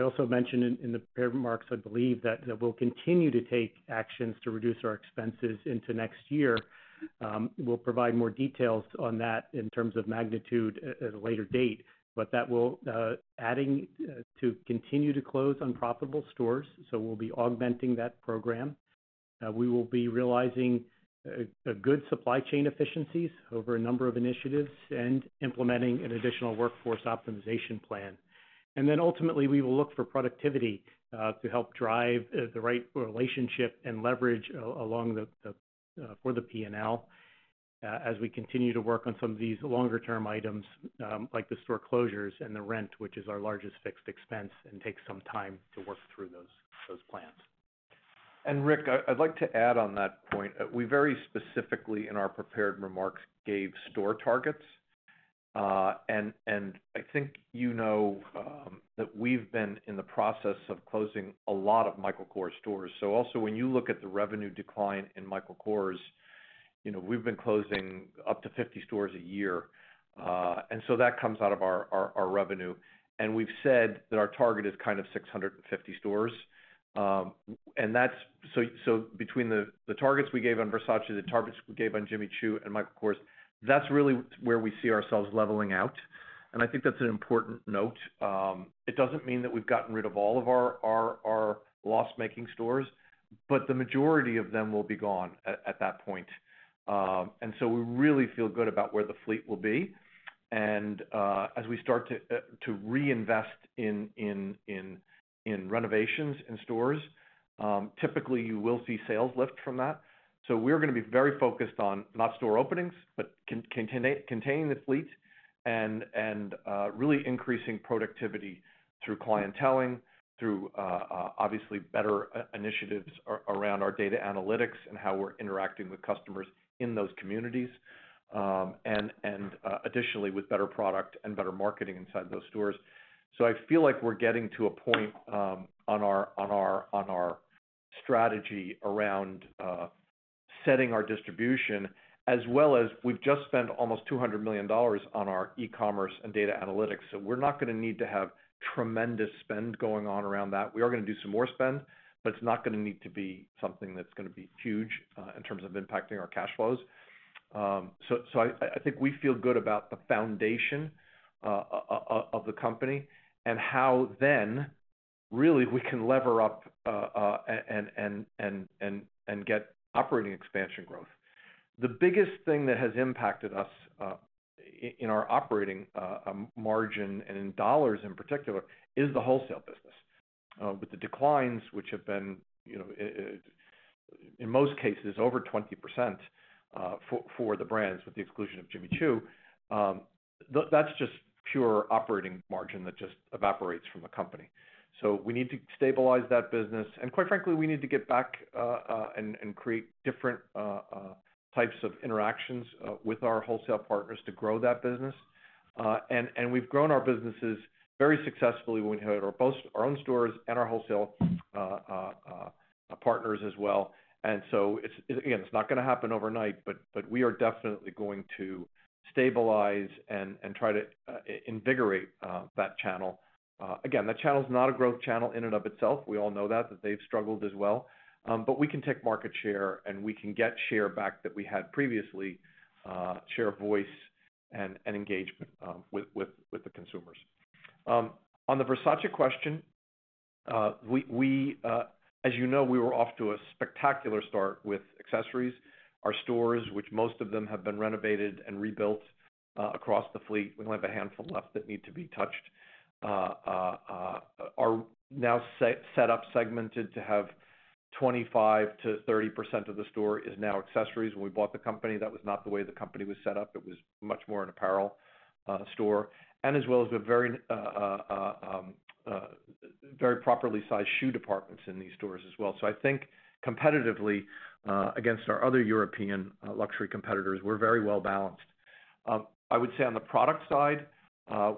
also mentioned in the remarks, I believe, that we'll continue to take actions to reduce our expenses into next year. We'll provide more details on that in terms of magnitude at a later date. But that will add to continue to close unprofitable stores. We'll be augmenting that program. We will be realizing good supply chain efficiencies over a number of initiatives and implementing an additional workforce optimization plan, and then ultimately, we will look for productivity to help drive the right relationship and leverage along for the P&L as we continue to work on some of these longer-term items like the store closures and the rent, which is our largest fixed expense and takes some time to work through those plans. And Rick, I'd like to add on that point. We very specifically in our prepared remarks gave store targets, and I think you know that we've been in the process of closing a lot of Michael Kors stores. So also, when you look at the revenue decline in Michael Kors, we've been closing up to 50 stores a year, and so that comes out of our revenue. And we've said that our target is kind of 650 stores. And so between the targets we gave on Versace, the targets we gave on Jimmy Choo and Michael Kors, that's really where we see ourselves leveling out. And I think that's an important note. It doesn't mean that we've gotten rid of all of our loss-making stores, but the majority of them will be gone at that point. And so we really feel good about where the fleet will be. And as we start to reinvest in renovations and stores, typically, you will see sales lift from that. So we're going to be very focused on not store openings, but containing the fleet and really increasing productivity through clienteling, through obviously better initiatives around our data analytics and how we're interacting with customers in those communities. And additionally, with better product and better marketing inside those stores. I feel like we're getting to a point on our strategy around setting our distribution, as well as we've just spent almost $200 million on our e-commerce and data analytics. We're not going to need to have tremendous spend going on around that. We are going to do some more spend, but it's not going to need to be something that's going to be huge in terms of impacting our cash flows. I think we feel good about the foundation of the company and how then really we can lever up and get operating expansion growth. The biggest thing that has impacted us in our operating margin and in dollars in particular is the wholesale business. With the declines, which have been in most cases over 20% for the brands with the exclusion of Jimmy Choo, that's just pure operating margin that just evaporates from the company. We need to stabilize that business. Quite frankly, we need to get back and create different types of interactions with our wholesale partners to grow that business. We've grown our businesses very successfully when we had our own stores and our wholesale partners as well. So again, it's not going to happen overnight, but we are definitely going to stabilize and try to invigorate that channel. Again, that channel is not a growth channel in and of itself. We all know that, that they've struggled as well. We can take market share, and we can get share back that we had previously, share of voice and engagement with the consumers. On the Versace question, as you know, we were off to a spectacular start with accessories. Our stores, which most of them have been renovated and rebuilt across the fleet, we only have a handful left that need to be touched, are now set up segmented to have 25%-30% of the store is now accessories. When we bought the company, that was not the way the company was set up. It was much more an apparel store. And as well as very properly sized shoe departments in these stores as well. So I think competitively against our other European luxury competitors, we're very well balanced. I would say on the product side,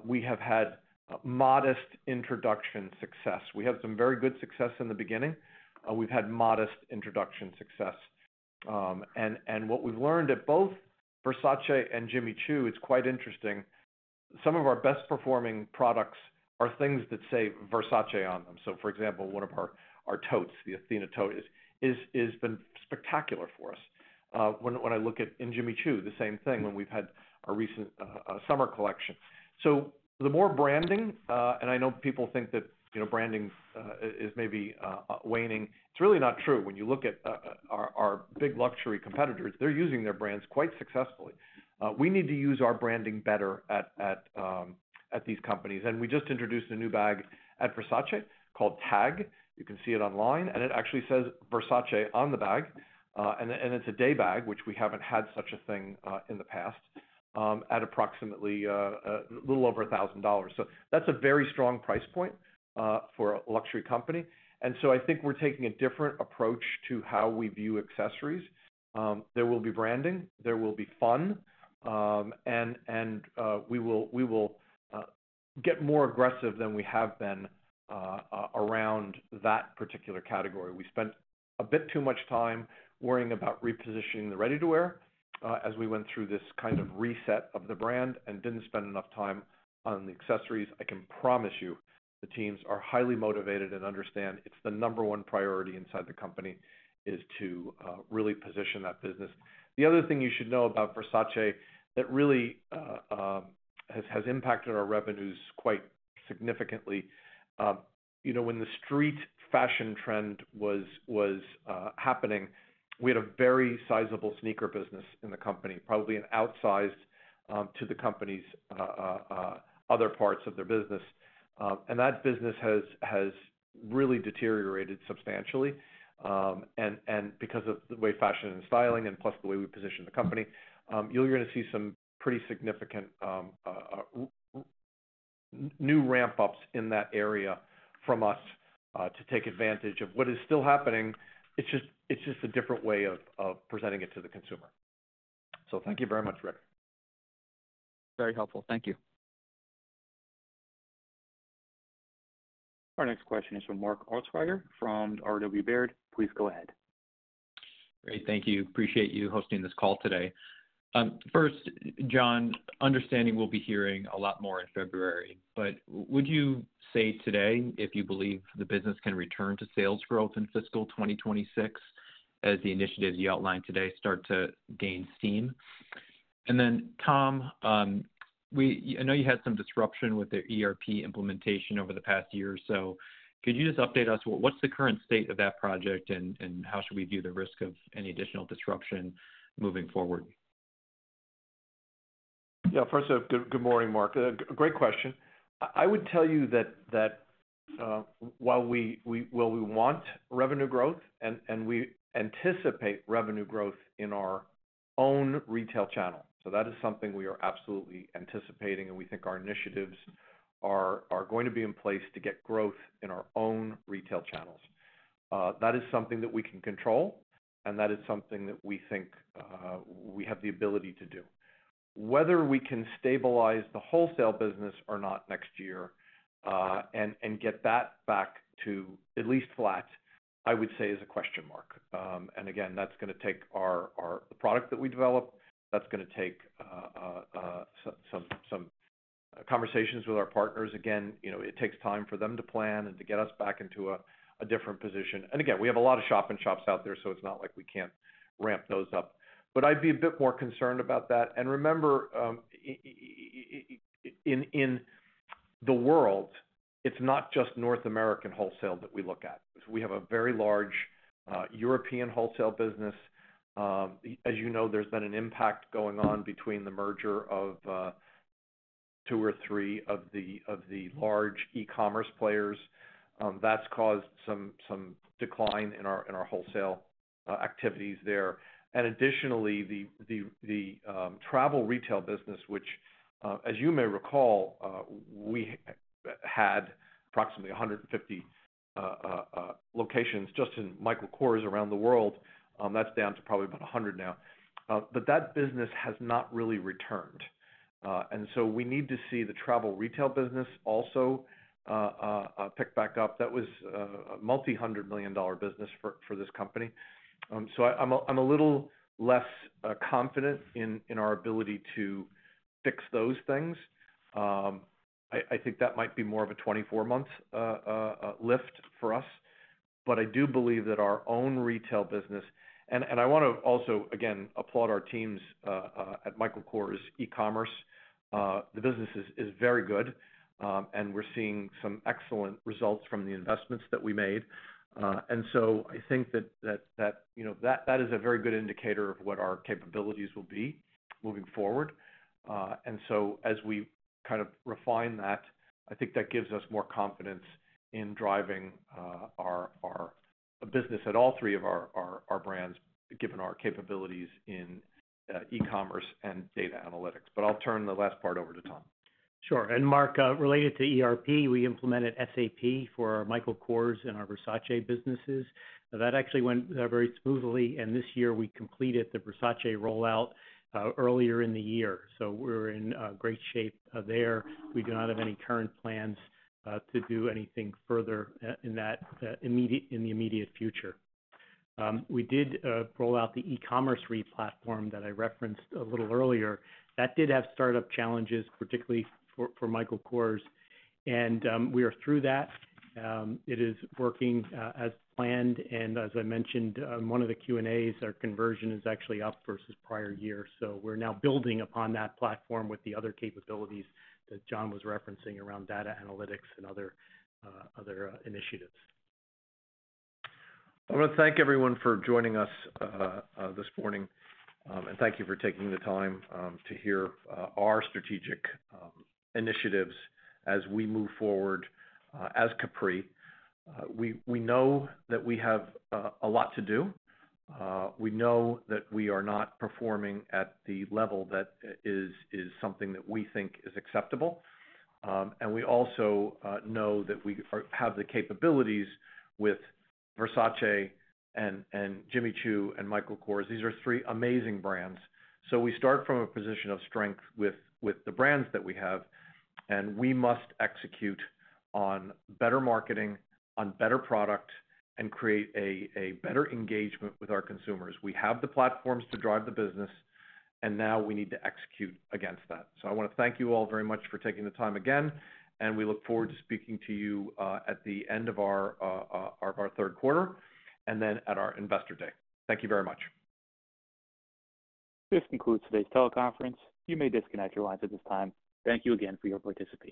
we have had modest introduction success. We had some very good success in the beginning. We've had modest introduction success. And what we've learned at both Versace and Jimmy Choo, it's quite interesting. Some of our best-performing products are things that say Versace on them. So for example, one of our totes, the Athena tote, has been spectacular for us. When I look at Jimmy Choo, the same thing when we've had our recent summer collection. So the more branding, and I know people think that branding is maybe waning. It's really not true. When you look at our big luxury competitors, they're using their brands quite successfully. We need to use our branding better at these companies. And we just introduced a new bag at Versace called Tag. You can see it online, and it actually says Versace on the bag. And it's a day bag, which we haven't had such a thing in the past at approximately a little over $1,000. So that's a very strong price point for a luxury company. And so I think we're taking a different approach to how we view accessories. There will be branding. There will be fun, and we will get more aggressive than we have been around that particular category. We spent a bit too much time worrying about repositioning the ready-to-wear as we went through this kind of reset of the brand and didn't spend enough time on the accessories. I can promise you the teams are highly motivated and understand it's the number one priority inside the company is to really position that business. The other thing you should know about Versace that really has impacted our revenues quite significantly, when the street fashion trend was happening, we had a very sizable sneaker business in the company, probably outsized to the company's other parts of their business, and that business has really deteriorated substantially. And because of the way fashion and styling and plus the way we position the company, you're going to see some pretty significant new ramp-ups in that area from us to take advantage of what is still happening. It's just a different way of presenting it to the consumer. So thank you very much, Rick. Very helpful. Thank you. Our next question is from Mark Altschwager from RW Baird. Please go ahead. Great. Thank you. Appreciate you hosting this call today. First, John, understanding we'll be hearing a lot more in February, but would you say today if you believe the business can return to sales growth in fiscal 2026 as the initiatives you outlined today start to gain steam? And then, Tom, I know you had some disruption with the ERP implementation over the past year. So could you just update us? What's the current state of that project, and how should we view the risk of any additional disruption moving forward? Yeah. First off, good morning, Mark. Great question. I would tell you that while we want revenue growth and we anticipate revenue growth in our own retail channel, so that is something we are absolutely anticipating, and we think our initiatives are going to be in place to get growth in our own retail channels. That is something that we can control, and that is something that we think we have the ability to do. Whether we can stabilize the wholesale business or not next year and get that back to at least flat, I would say is a question mark. And again, that's going to take the product that we develop. That's going to take some conversations with our partners. Again, it takes time for them to plan and to get us back into a different position. And again, we have a lot of shop-in-shops out there, so it's not like we can't ramp those up. But I'd be a bit more concerned about that. And remember, in the world, it's not just North American wholesale that we look at. We have a very large European wholesale business. As you know, there's been an impact going on between the merger of two or three of the large e-commerce players. That's caused some decline in our wholesale activities there. And additionally, the travel retail business, which, as you may recall, we had approximately 150 locations just in Michael Kors around the world. That's down to probably about 100 now. But that business has not really returned. We need to see the travel retail business also pick back up. That was a multi-hundred million dollar business for this company. So I'm a little less confident in our ability to fix those things. I think that might be more of a 24-month lift for us. But I do believe that our own retail business, and I want to also, again, applaud our teams at Michael Kors e-commerce. The business is very good, and we're seeing some excellent results from the investments that we made. And so I think that that is a very good indicator of what our capabilities will be moving forward. And so as we kind of refine that, I think that gives us more confidence in driving our business at all three of our brands, given our capabilities in e-commerce and data analytics. But I'll turn the last part over to Tom. Sure. Mark, related to ERP, we implemented SAP for our Michael Kors and our Versace businesses. That actually went very smoothly. This year, we completed the Versace rollout earlier in the year. We're in great shape there. We do not have any current plans to do anything further in the immediate future. We did roll out the e-commerce re-platform that I referenced a little earlier. That did have startup challenges, particularly for Michael Kors. We are through that. It is working as planned. As I mentioned, one of the Q&As, our conversion is actually up versus prior year. We're now building upon that platform with the other capabilities that John was referencing around data analytics and other initiatives. I want to thank everyone for joining us this morning. Thank you for taking the time to hear our strategic initiatives as we move forward as Capri. We know that we have a lot to do. We know that we are not performing at the level that is something that we think is acceptable. We also know that we have the capabilities with Versace and Jimmy Choo and Michael Kors. These are three amazing brands. We start from a position of strength with the brands that we have, and we must execute on better marketing, on better product, and create a better engagement with our consumers. We have the platforms to drive the business, and now we need to execute against that. I want to thank you all very much for taking the time again. We look forward to speaking to you at the end of our third quarter and then at our investor day. Thank you very much. This concludes today's teleconference. You may disconnect your lines at this time. Thank you again for your participation.